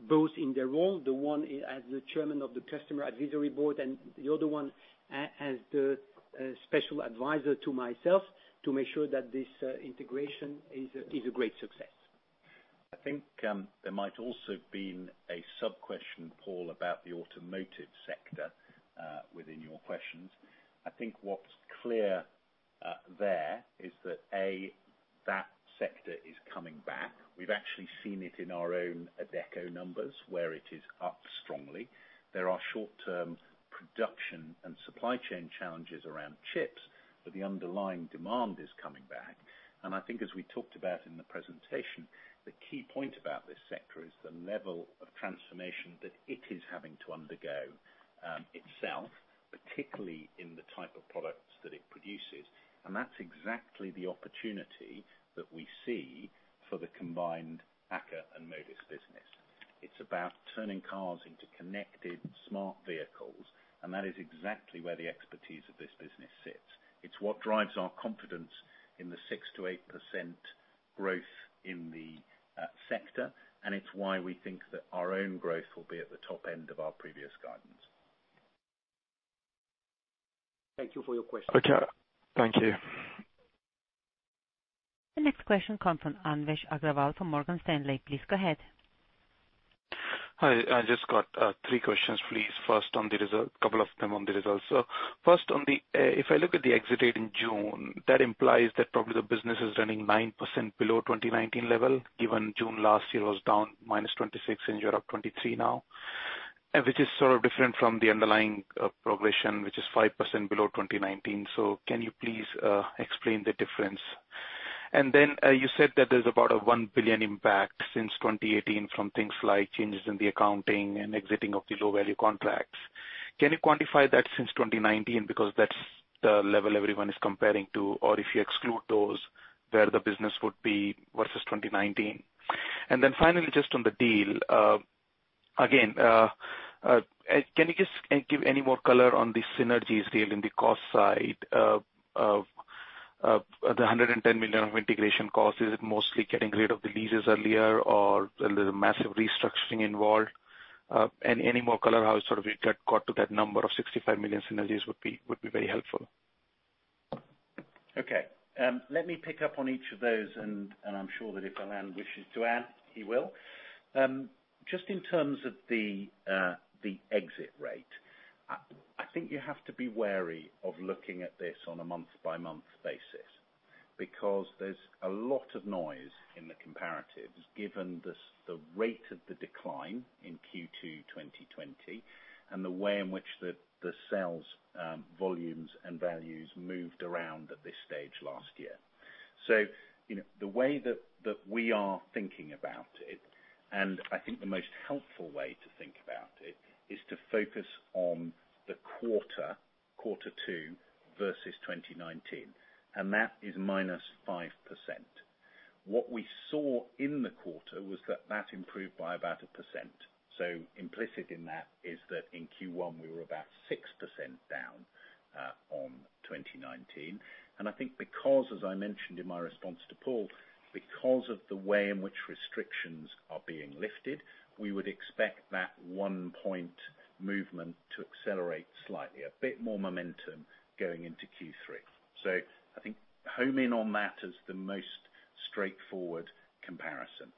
both in their role, the one as the chairman of the Customer Advisory Board and the other one as the special advisor to myself to make sure that this integration is a great success. I think there might also been a sub-question, Paul, about the automotive sector, within your questions. I think what's clear there is that, A, that sector is coming back. We've actually seen it in our own Adecco numbers, where it is up strongly. There are short-term production and supply chain challenges around chips, but the underlying demand is coming back. I think as we talked about in the presentation, the key point about this sector is the level of transformation that it is having to undergo itself, particularly in the type of products that it produces. That's exactly the opportunity that we see for the combined AKKA and Modis business. It's about turning cars into connected smart vehicles, and that is exactly where the expertise of this business sits. It's what drives our confidence in the 6%-8% growth in the sector, and it's why we think that our own growth will be at the top end of our previous guidance. Thank you for your question. Okay. Thank you. The next question come from Anvesh Agrawal from Morgan Stanley. Please go ahead. Hi. I just got three questions, please. First on the result. A couple of them on the results. First, if I look at the exit date in June, that implies that probably the business is running 9% below 2019 level, given June last year was down -26%, and you're at 23% now. Which is sort of different from the underlying progression, which is 5% below 2019. Can you please explain the difference? You said that there's about a 1 billion impact since 2018 from things like changes in the accounting and exiting of the low-value contracts. Can you quantify that since 2019? Because that's the level everyone is comparing to. If you exclude those, where the business would be versus 2019. Finally, just on the deal. Can you just give any more color on the synergies there in the cost side of the 110 million of integration cost? Is it mostly getting rid of the leases earlier or is there massive restructuring involved? Any more color how you got to that number of 65 million synergies would be very helpful. Okay. Let me pick up on each of those, and I'm sure that if Alain wishes to add, he will. Just in terms of the exit rate, I think you have to be wary of looking at this on a month-by-month basis because there's a lot of noise in the comparatives given the rate of the decline in Q2 2020 and the way in which the sales volumes and values moved around at this stage last year. The way that we are thinking about it, and I think the most helpful way to think about it, is to focus on the quarter two versus 2019, and that is -5%. What we saw in the quarter was that that improved by about 1%. Implicit in that is that in Q1, we were about 6% down on 2019. I think because, as I mentioned in my response to Paul Sullivan, because of the way in which restrictions are being lifted, we would expect that one point movement to accelerate slightly. A bit more momentum going into Q3. I think home in on that as the most straightforward comparison.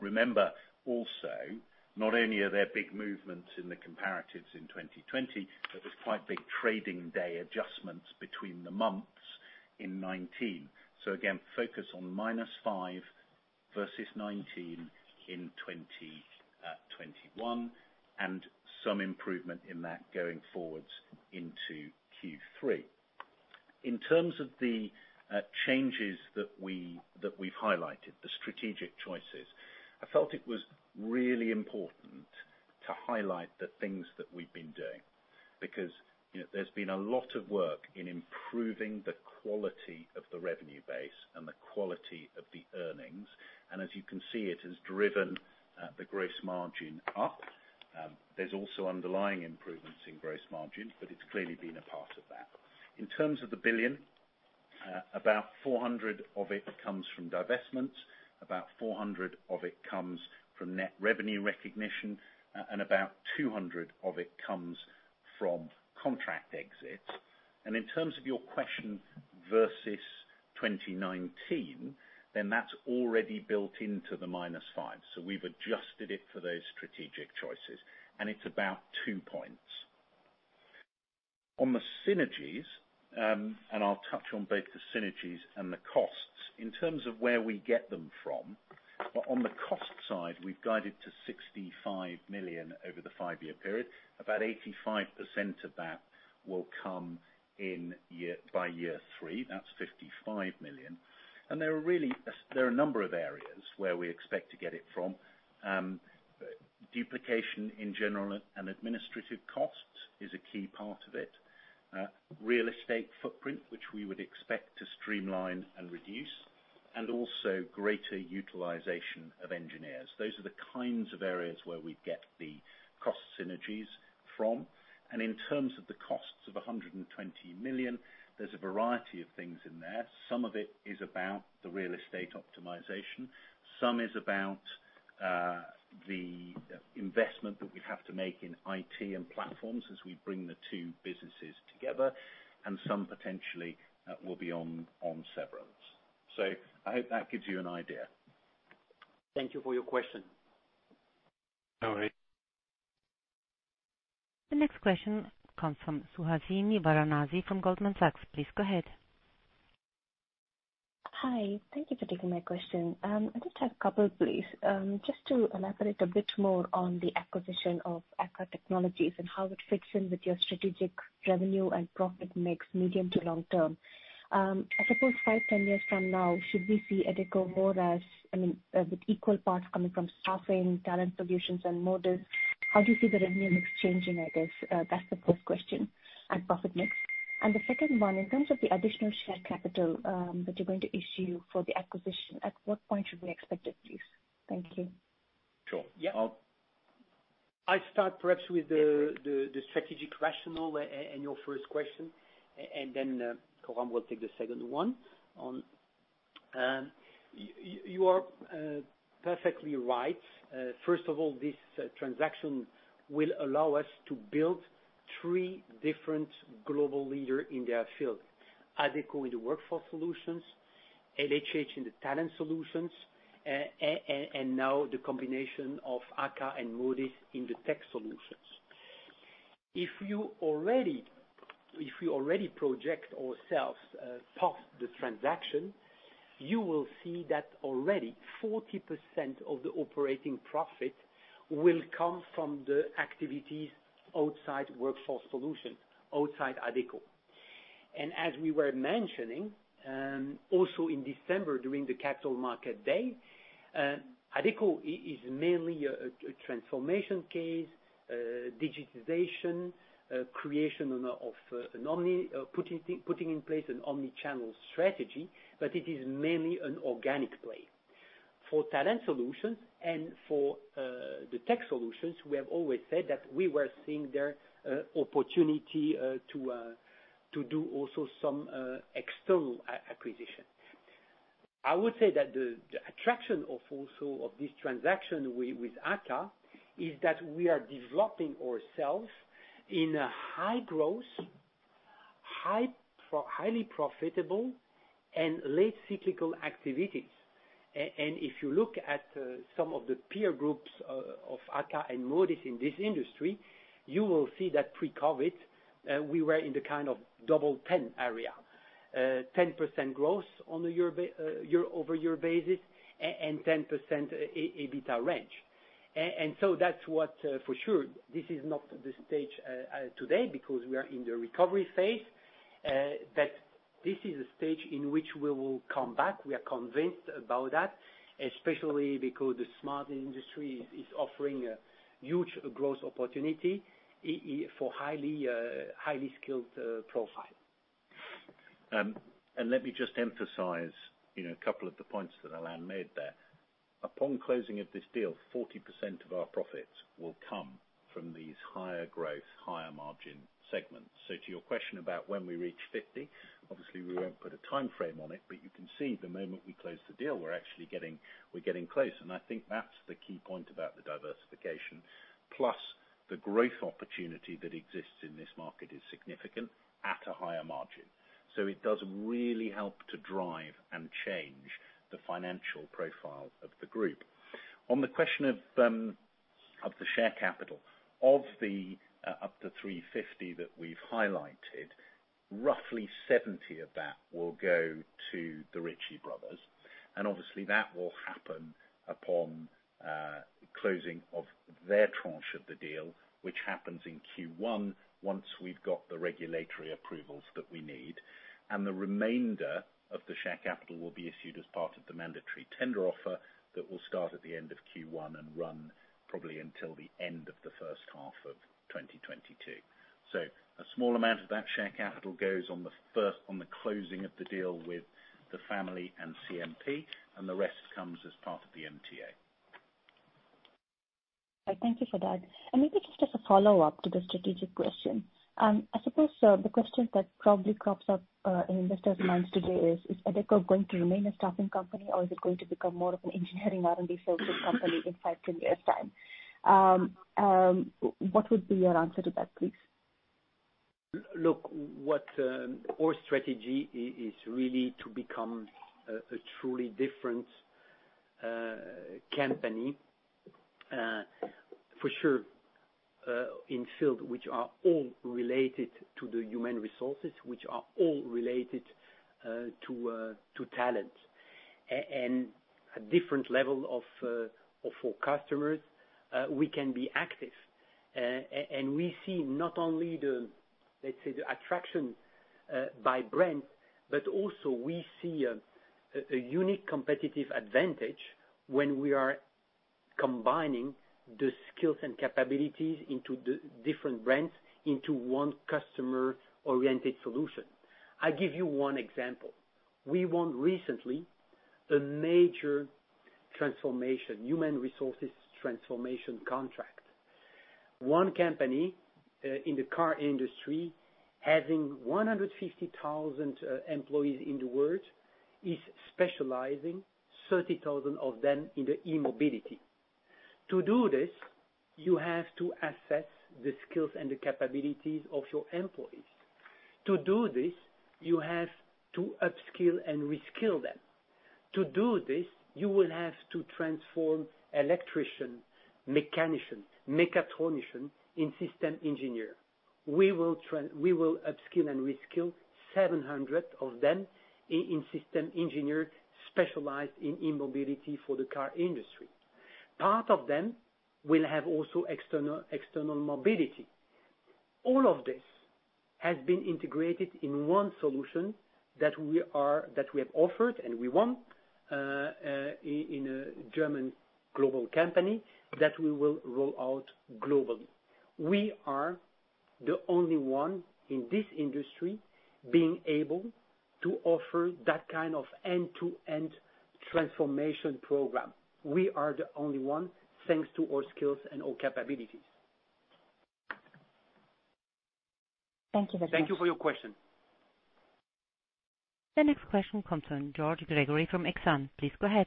Remember also, not only are there big movements in the comparatives in 2020, but there's quite big trading day adjustments between the months in 2019. Again, focus on -5% versus 19% in 2021, and some improvement in that going forwards into Q3. In terms of the changes that we've highlighted, the strategic choices, I felt it was really important to highlight the things that we've been doing, because there's been a lot of work in improving the quality of the revenue base and the quality of the earnings. As you can see, it has driven the gross margin up. There's also underlying improvements in gross margin, but it's clearly been a part of that. In terms of the billion, about 400 million of it comes from divestments, about 400 million of it comes from net revenue recognition, and about 200 million of it comes from contract exits. In terms of your question versus 2019, that's already built into the -5%. We've adjusted it for those strategic choices, and it's about two points. On the synergies, I'll touch on both the synergies and the costs. In terms of where we get them from, on the cost side, we've guided to 65 million over the five-year period. About 85% of that will come by year three, that's 55 million. There are a number of areas where we expect to get it from. Duplication in general and administrative costs is a key part of it. Real estate footprint, which we would expect to streamline and reduce, also greater utilization of engineers. Those are the kinds of areas where we get the cost synergies from. In terms of the costs of 120 million, there's a variety of things in there. Some of it is about the real estate optimization. Some is about the investment that we have to make in IT and platforms as we bring the two businesses together, some potentially will be on severance. I hope that gives you an idea. Thank you for your question. No worries. The next question comes from Suhasini Varanasi from Goldman Sachs. Please go ahead. Hi. Thank you for taking my question. I just have a couple, please. Just to elaborate a bit more on the acquisition of AKKA Technologies and how it fits in with your strategic revenue and profit mix, medium to long term. I suppose five, 10 years from now, should we see Adecco more as, with equal parts coming from staffing, Talent Solutions, and Modis, how do you see the revenue mix changing, I guess? That's the first question, and profit mix. The second one, in terms of the additional share capital that you're going to issue for the acquisition, at what point should we expect it, please? Thank you. Sure. Yeah. I'll start perhaps with the strategic rationale and your first question, and then Coram will take the second one. You are perfectly right. First of all, this transaction will allow us to build three different global leader in their field. Adecco in the Workforce Solutions, LHH in the Talent Solutions, and now the combination of AKKA and Modis in the Tech Solutions. If we already project ourselves past the transaction, you will see that already 40% of the operating profit will come from the activities outside Workforce Solutions, outside Adecco. As we were mentioning, also in December during the capital market day, Adecco is mainly a transformation case, digitization, creation of putting in place an omnichannel strategy, but it is mainly an organic play. For Talent Solutions and for the Tech Solutions, we have always said that we were seeing their opportunity to do also some external acquisition. I would say that the attraction also of this transaction with AKKA is that we are developing ourselves in a high growth, highly profitable, and late cyclical activities. If you look at some of the peer groups of AKKA and Modis in this industry, you will see that pre-COVID, we were in the kind of double 10 area, 10% growth on a year-over-year basis and 10% EBITDA range. That's what, for sure, this is not the stage today because we are in the recovery phase. This is a stage in which we will come back. We are convinced about that, especially because the smart industry is offering a huge growth opportunity for highly skilled profile. Let me just emphasize a couple of the points that Alain made there. Upon closing of this deal, 40% of our profits will come from these higher growth, higher margin segments. To your question about when we reach 50%, obviously we won't put a time frame on it, but you can see the moment we close the deal, we're getting close. I think that's the key point about the diversification. The growth opportunity that exists in this market is significant at a higher margin. It does really help to drive and change the financial profile of the group. On the question of the share capital. Of the up to 350 that we've highlighted, roughly 70 of that will go to the Ricci brothers, obviously that will happen upon closing of their tranche of the deal, which happens in Q1 once we've got the regulatory approvals that we need. The remainder of the share capital will be issued as part of the mandatory tender offer that will start at the end of Q1 and run probably until the end of the first half of 2022. A small amount of that share capital goes on the closing of the deal with the family and CNP, the rest comes as part of the MTA. Thank you for that. Maybe just as a follow-up to the strategic question. I suppose so the question that probably crops up in investors' minds today is Adecco going to remain a staffing company or is it going to become more of an engineering R&D-focused company in five, 10 years' time? What would be your answer to that, please? Look, our strategy is really to become a truly different company, for sure in field which are all related to the human resources, which are all related to talent. A different level of customers we can be active. We see not only the, let's say, the attraction by brand, but also we see a unique competitive advantage when we are combining the skills and capabilities into the different brands into one customer-oriented solution. I give you one example. We won recently a major human resources transformation contract. One company in the car industry, having 150,000 employees in the world, is specializing 30,000 of them in the e-mobility. To do this, you have to assess the skills and the capabilities of your employees. To do this, you have to upskill and reskill them. To do this, you will have to transform electrician, mechanician, mechatronician in system engineer. We will upskill and reskill 700 of them in system engineer specialized in e-mobility for the car industry. Part of them will have also external mobility. All of this has been integrated in one solution that we have offered, and we won in a German global company that we will roll out globally. We are the only one in this industry being able to offer that kind of end-to-end transformation program. We are the only one, thanks to our skills and our capabilities. Thank you for that. Thank you for your question. The next question comes from George Gregory from Exane. Please go ahead.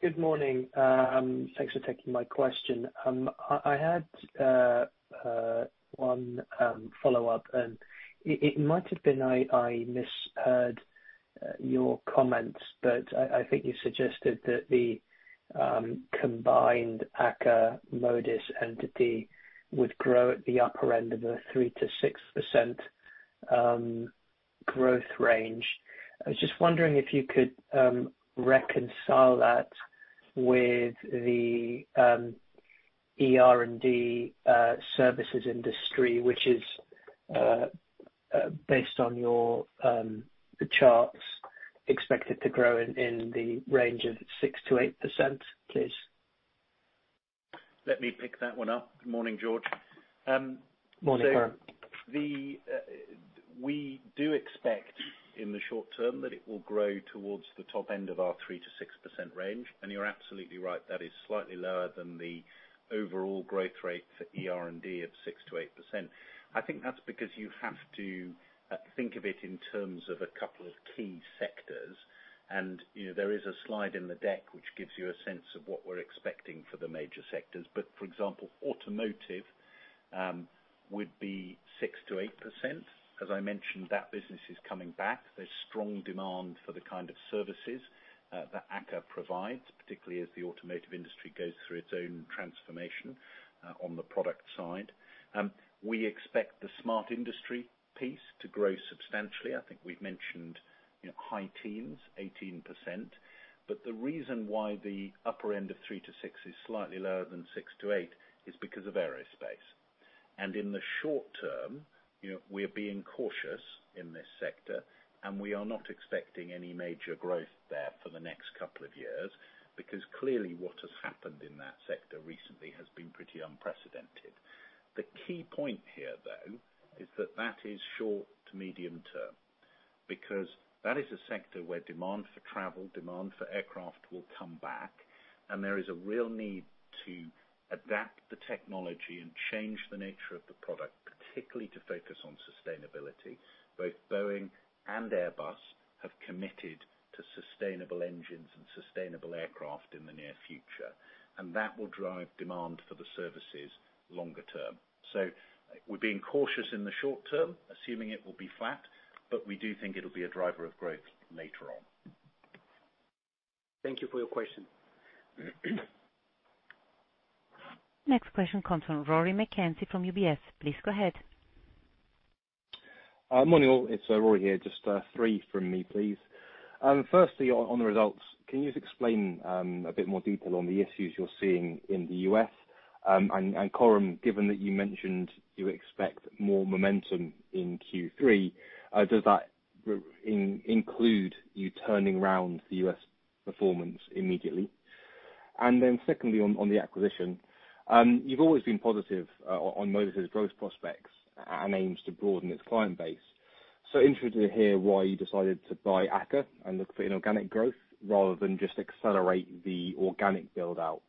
Good morning. Thanks for taking my question. I had one follow-up. It might have been I misheard your comments, but I think you suggested that the combined AKKA, Modis entity would grow at the upper end of the 3%-6% growth range. I was just wondering if you could reconcile that with the ER&D services industry, which is based on the charts expected to grow in the range of 6%-8%, please. Let me pick that one up. Good morning, George. Morning. We do expect in the short term that it will grow towards the top end of our 3%-6% range. You're absolutely right, that is slightly lower than the overall growth rate for ER&D of 6%-8%. I think that's because you have to think of it in terms of a couple of key sectors. There is a slide in the deck which gives you a sense of what we're expecting for the major sectors. For example, automotive would be 6%-8%. As I mentioned, that business is coming back. There's strong demand for the kind of services that AKKA provides, particularly as the automotive industry goes through its own transformation on the product side. We expect the smart industry piece to grow substantially. I think we've mentioned high teens, 18%. The reason why the upper end of 3%-6% is slightly lower than 6%-8% is because of aerospace. In the short term, we're being cautious in this sector, and we are not expecting any major growth there for the next couple of years, because clearly what has happened in that sector recently has been pretty unprecedented. The key point here, though, is that that is short- to medium-term, because that is a sector where demand for travel, demand for aircraft will come back, and there is a real need to adapt the technology and change the nature of the product, particularly to focus on sustainability. Both Boeing and Airbus have committed to sustainable engines and sustainable aircraft in the near future, and that will drive demand for the services longer term. We're being cautious in the short term, assuming it will be flat, but we do think it'll be a driver of growth later on. Thank you for your question. Next question comes from Rory McKenzie from UBS. Please go ahead. Morning all. It's Rory here. Just three from me, please. Firstly, on the results, can you just explain a bit more detail on the issues you're seeing in the U.S.? Coram, given that you mentioned you expect more momentum in Q3, does that include you turning around the U.S. performance immediately? Secondly, on the acquisition. You've always been positive on Modis' growth prospects and aims to broaden its client base. Interested to hear why you decided to buy AKKA and look for inorganic growth rather than just accelerate the organic build-out.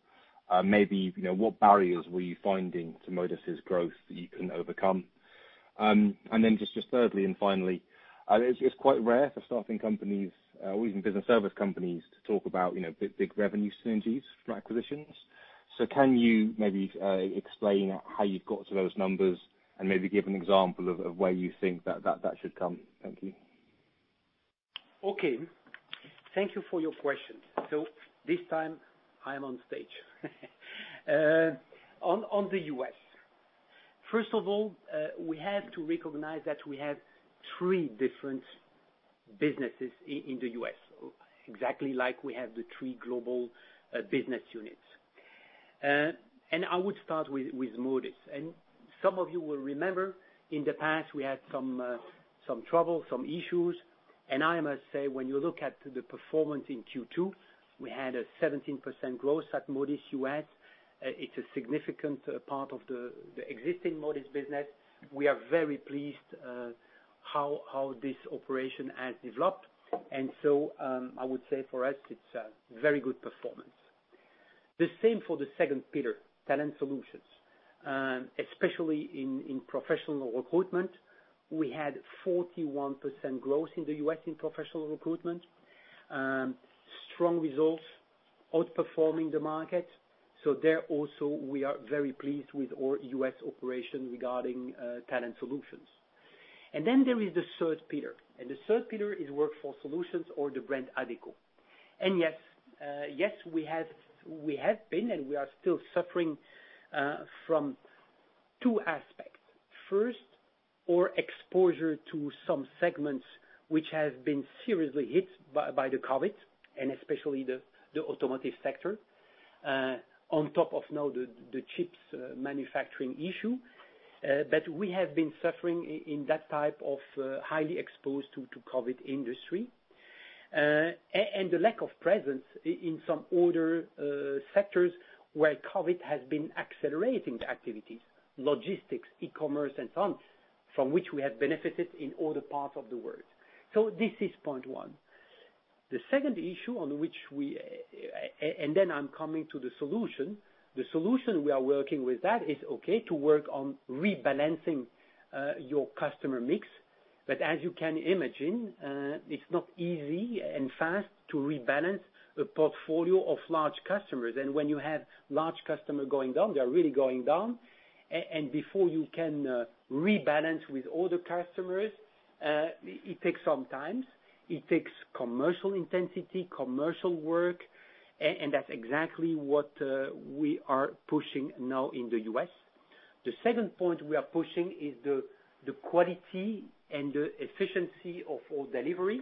Maybe, what barriers were you finding to Modis' growth that you couldn't overcome? Just thirdly and finally, it's quite rare for staffing companies or even business service companies to talk about big revenue synergies from acquisitions. Can you maybe explain how you got to those numbers and maybe give an example of where you think that should come? Thank you. Okay. Thank you for your question. This time, I am on stage. On the U.S. First of all, we have to recognize that we have three different businesses in the U.S. Exactly like we have the three global business units. I would start with Modis. Some of you will remember in the past we had some trouble, some issues. I must say, when you look at the performance in Q2, we had a 17% growth at Modis U.S. It's a significant part of the existing Modis business. We are very pleased how this operation has developed. I would say for us it's a very good performance. The same for the second pillar, Talent Solutions. Especially in Professional Recruitment, we had 41% growth in the U.S. in Professional Recruitment. Strong results outperforming the market. There also, we are very pleased with our U.S. operation regarding Talent Solutions. Then there is the third pillar. The third pillar is Workforce Solutions or the brand Adecco. Yes, we have been, and we are still suffering from two aspects. First, our exposure to some segments which have been seriously hit by the COVID, and especially the automotive sector. On top of now the chips manufacturing issue. We have been suffering in that type of highly exposed to COVID industry. The lack of presence in some other sectors where COVID has been accelerating the activities, logistics, e-commerce and so on, from which we have benefited in other parts of the world. This is point one. The second issue on which, then I'm coming to the solution. The solution we are working with that is okay to work on rebalancing your customer mix. As you can imagine, it's not easy and fast to rebalance a portfolio of large customers. When you have large customer going down, they are really going down. Before you can rebalance with other customers, it takes some time. It takes commercial intensity, commercial work, and that's exactly what we are pushing now in the U.S. The second point we are pushing is the quality and the efficiency of our delivery.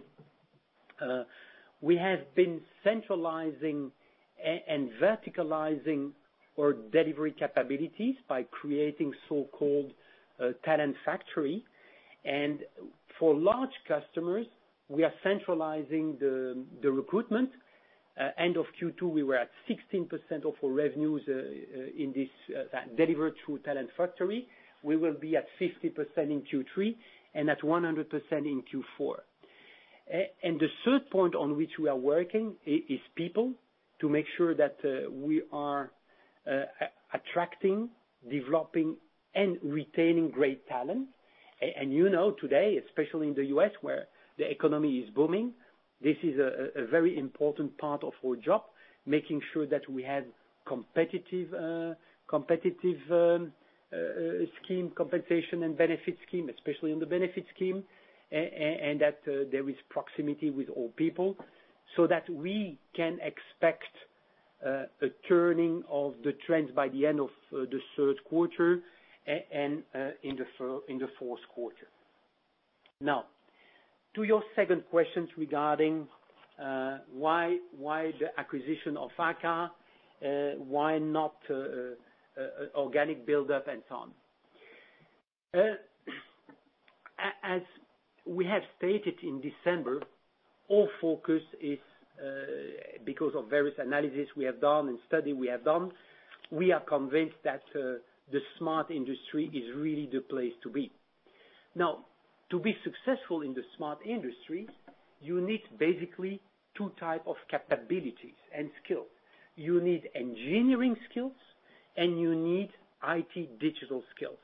We have been centralizing and verticalizing our delivery capabilities by creating so-called Talent Factory. For large customers, we are centralizing the recruitment. End of Q2, we were at 16% of our revenues in this delivered through Talent Factory. We will be at 50% in Q3, and at 100% in Q4. The third point on which we are working is people, to make sure that we are attracting, developing, and retaining great talent. You know today, especially in the U.S. where the economy is booming, this is a very important part of our job, making sure that we have competitive scheme compensation and benefit scheme, especially on the benefit scheme. That there is proximity with all people so that we can expect a turning of the trends by the end of the third quarter and in the fourth quarter. Now, to your second questions regarding why the acquisition of AKKA, why not organic buildup and so on. As we have stated in December, our focus is because of various analysis we have done and study we have done, we are convinced that the smart industry is really the place to be. To be successful in the smart industry, you need basically two type of capabilities and skills. You need engineering skills and you need IT digital skills.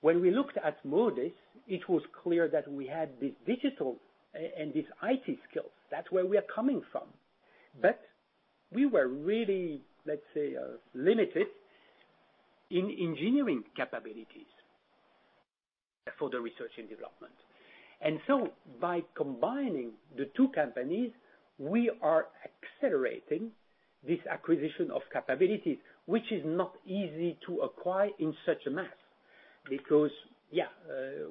When we looked at Modis, it was clear that we had this digital and this IT skills. That's where we are coming from. We were really, let's say, limited in engineering capabilities for the research and development. By combining the two companies, we are accelerating this acquisition of capabilities, which is not easy to acquire in such a mass.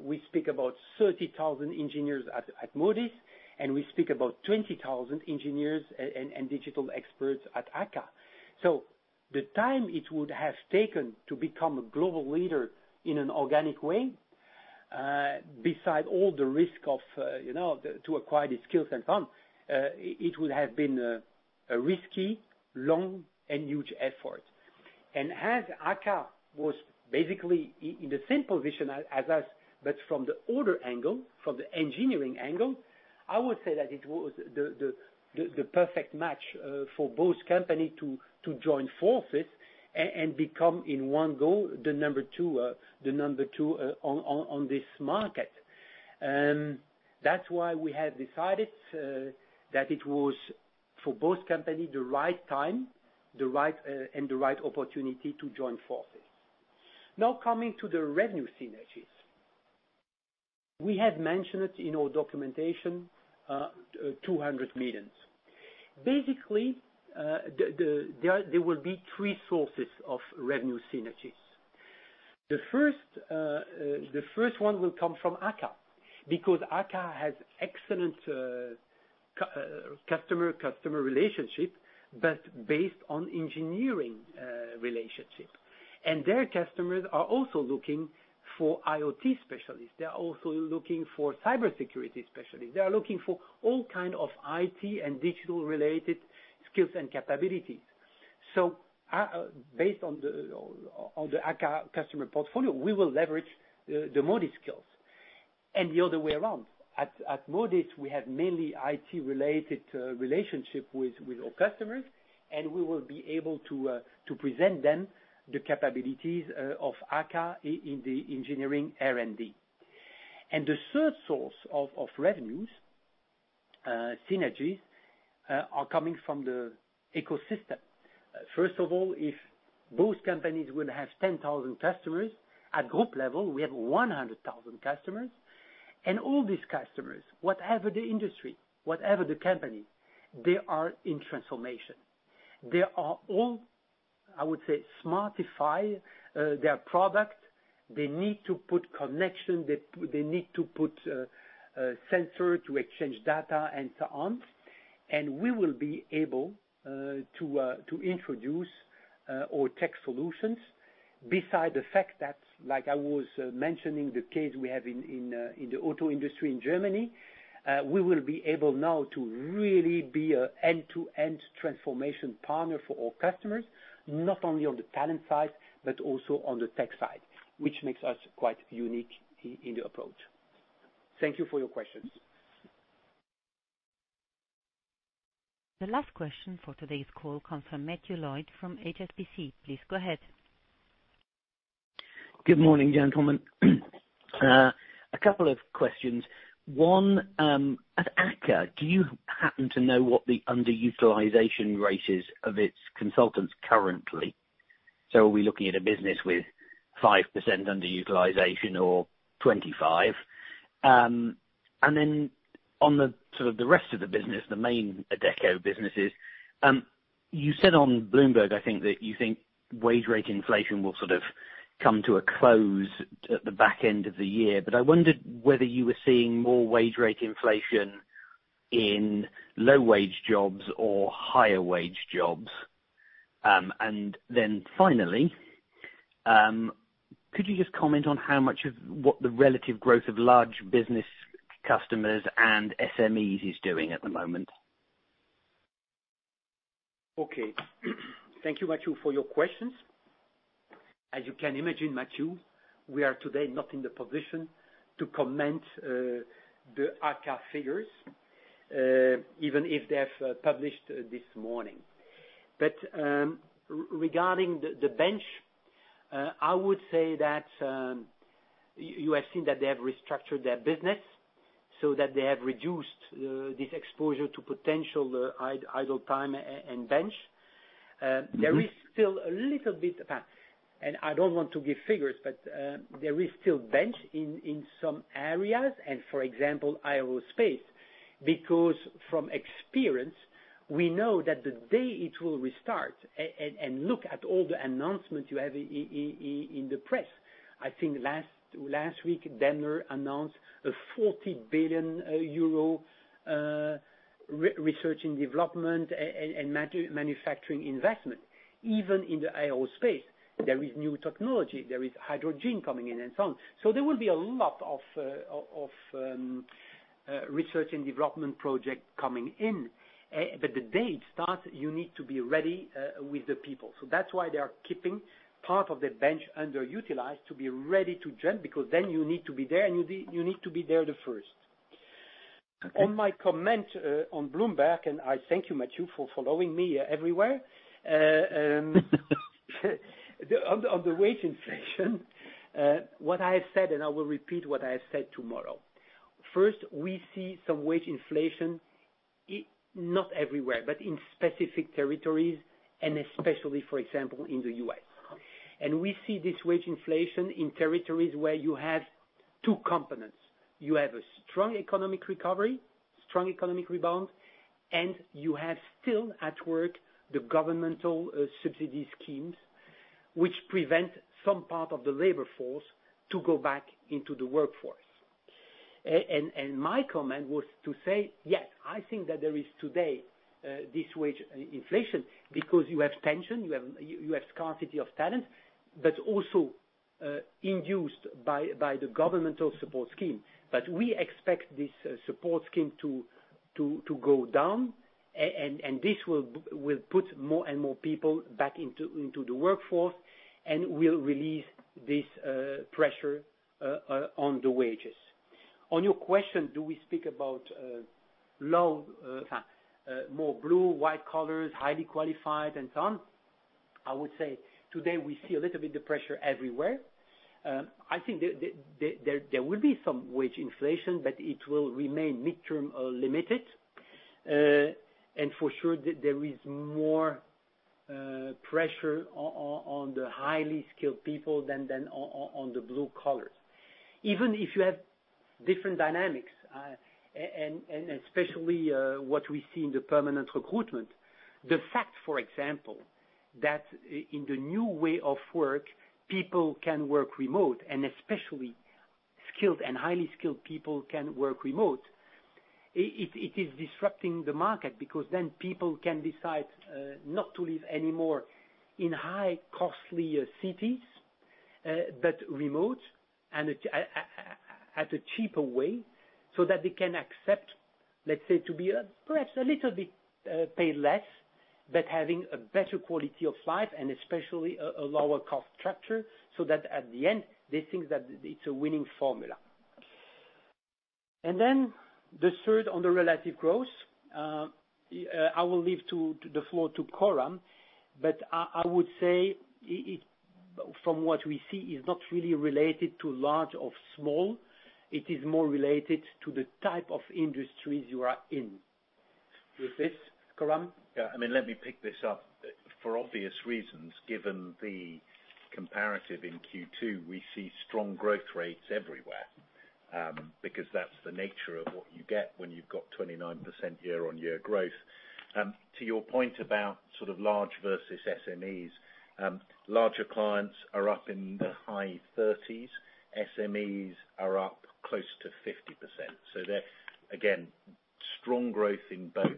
We speak about 30,000 engineers at Modis, and we speak about 20,000 engineers and digital experts at AKKA. The time it would have taken to become a global leader in an organic way, besides all the risk to acquire the skills and so on, it would have been a risky, long, and huge effort. As AKKA was basically in the same position as us, but from the order angle, from the engineering angle, I would say that it was the perfect match for both companies to join forces and become in one go, the number two on this market. That's why we have decided that it was, for both companies, the right time and the right opportunity to join forces. Now coming to the revenue synergies. We had mentioned it in our documentation, 200 million. Basically, there will be three sources of revenue synergies. The first one will come from AKKA, because AKKA has excellent customer relationship, but based on engineering relationship. Their customers are also looking for IoT specialists. They're also looking for cybersecurity specialists. They are looking for all kind of IT and digital-related skills and capabilities. Based on the AKKA customer portfolio, we will leverage the Modis skills. The other way around. At Modis, we have mainly IT-related relationship with our customers, and we will be able to present them the capabilities of AKKA in the engineering R&D. The third source of revenues synergies are coming from the ecosystem. First of all, if both companies will have 10,000 customers, at group level, we have 100,000 customers, and all these customers, whatever the industry, whatever the company, they are in transformation. They are all, I would say, smartify their product. They need to put connection, they need to put sensor to exchange data and so on. We will be able to introduce our Tech Solutions. Beside the fact that, like I was mentioning the case we have in the auto industry in Germany, we will be able now to really be an end-to-end transformation partner for all customers, not only on the talent side, but also on the tech side, which makes us quite unique in the approach. Thank you for your questions. The last question for today's call comes from Matthew Lloyd from HSBC. Please go ahead. Good morning, gentlemen. A couple of questions. One, at AKKA, do you happen to know what the underutilization rate is of its consultants currently? Are we looking at a business with 5% underutilization or 25%? On the sort of the rest of the business, the main Adecco businesses, you said on Bloomberg, I think that you think wage rate inflation will sort of come to a close at the back end of the year, I wondered whether you were seeing more wage rate inflation in low-wage jobs or higher-wage jobs. Finally, could you just comment on how much of what the relative growth of large business customers and SMEs is doing at the moment? Okay. Thank you, Matthew, for your questions. As you can imagine, Matthew, we are today not in the position to comment the AKKA figures, even if they have published this morning. Regarding the bench, I would say that you have seen that they have restructured their business so that they have reduced this exposure to potential idle time and bench. There is still a little bit, and I don't want to give figures, but there is still bench in some areas and, for example, aerospace. Because from experience, we know that the day it will restart, and look at all the announcements you have in the press. I think last week, Daimler announced a 40 billion euro research and development and manufacturing investment. Even in the aerospace, there is new technology, there is hydrogen coming in and so on. There will be a lot of research and development project coming in. The day it starts, you need to be ready with the people. That's why they are keeping part of the bench underutilized to be ready to jump, because then you need to be there, and you need to be there the first. On my comment on Bloomberg, and I thank you, Matthew, for following me everywhere. On the wage inflation, what I have said, and I will repeat what I have said tomorrow. First, we see some wage inflation. Not everywhere, but in specific territories, and especially, for example, in the U.S. We see this wage inflation in territories where you have two components. You have a strong economic recovery, strong economic rebound, and you have still at work the governmental subsidy schemes, which prevent some part of the labor force to go back into the workforce. My comment was to say, yes, I think that there is today this wage inflation because you have tension, you have scarcity of talent, but also induced by the governmental support scheme. We expect this support scheme to go down, and this will put more and more people back into the workforce and will release this pressure on the wages. On your question, do we speak about more blue, white collars, highly qualified, and so on, I would say today we see a little bit of pressure everywhere. I think there will be some wage inflation, but it will remain midterm limited. For sure, there is more pressure on the highly skilled people than on the blue collars. Even if you have different dynamics, and especially what we see in the permanent recruitment. The fact, for example, that in the new way of work, people can work remote, and especially skilled and highly skilled people can work remote. It is disrupting the market because then people can decide not to live anymore in high costly cities, but remote and at a cheaper way, so that they can accept, let's say, to be perhaps a little bit paid less, but having a better quality of life and especially a lower cost structure, so that at the end they think that it's a winning formula. The third on the relative growth, I will leave the floor to Coram, but I would say from what we see is not really related to large or small. It is more related to the type of industries you are in. With this, Coram? Yeah, let me pick this up. For obvious reasons, given the comparative in Q2, we see strong growth rates everywhere, because that's the nature of what you get when you've got 29% year-on-year growth. To your point about sort of large versus SMEs, larger clients are up in the high 30s, SMEs are up close to 50%. There, again, strong growth in both,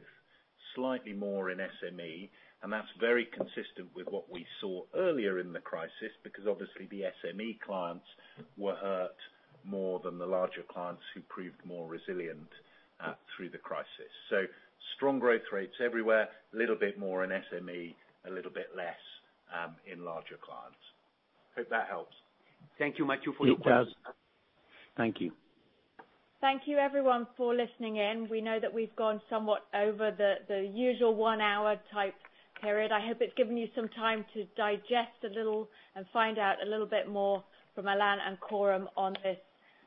slightly more in SME, and that's very consistent with what we saw earlier in the crisis, because obviously the SME clients were hurt more than the larger clients who proved more resilient through the crisis. Strong growth rates everywhere, little bit more in SME, a little bit less in larger clients. Hope that helps. Thank you, Matthew. It does. Thank you. Thank you everyone for listening in. We know that we've gone somewhat over the usual one-hour type period. I hope it's given you some time to digest a little and find out a little bit more from Alain and Coram on this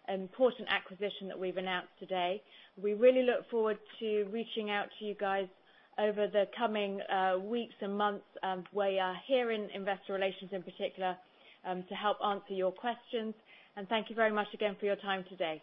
important acquisition that we've announced today. We really look forward to reaching out to you guys over the coming weeks and months, we are here in investor relations in particular, to help answer your questions. Thank you very much again for your time today.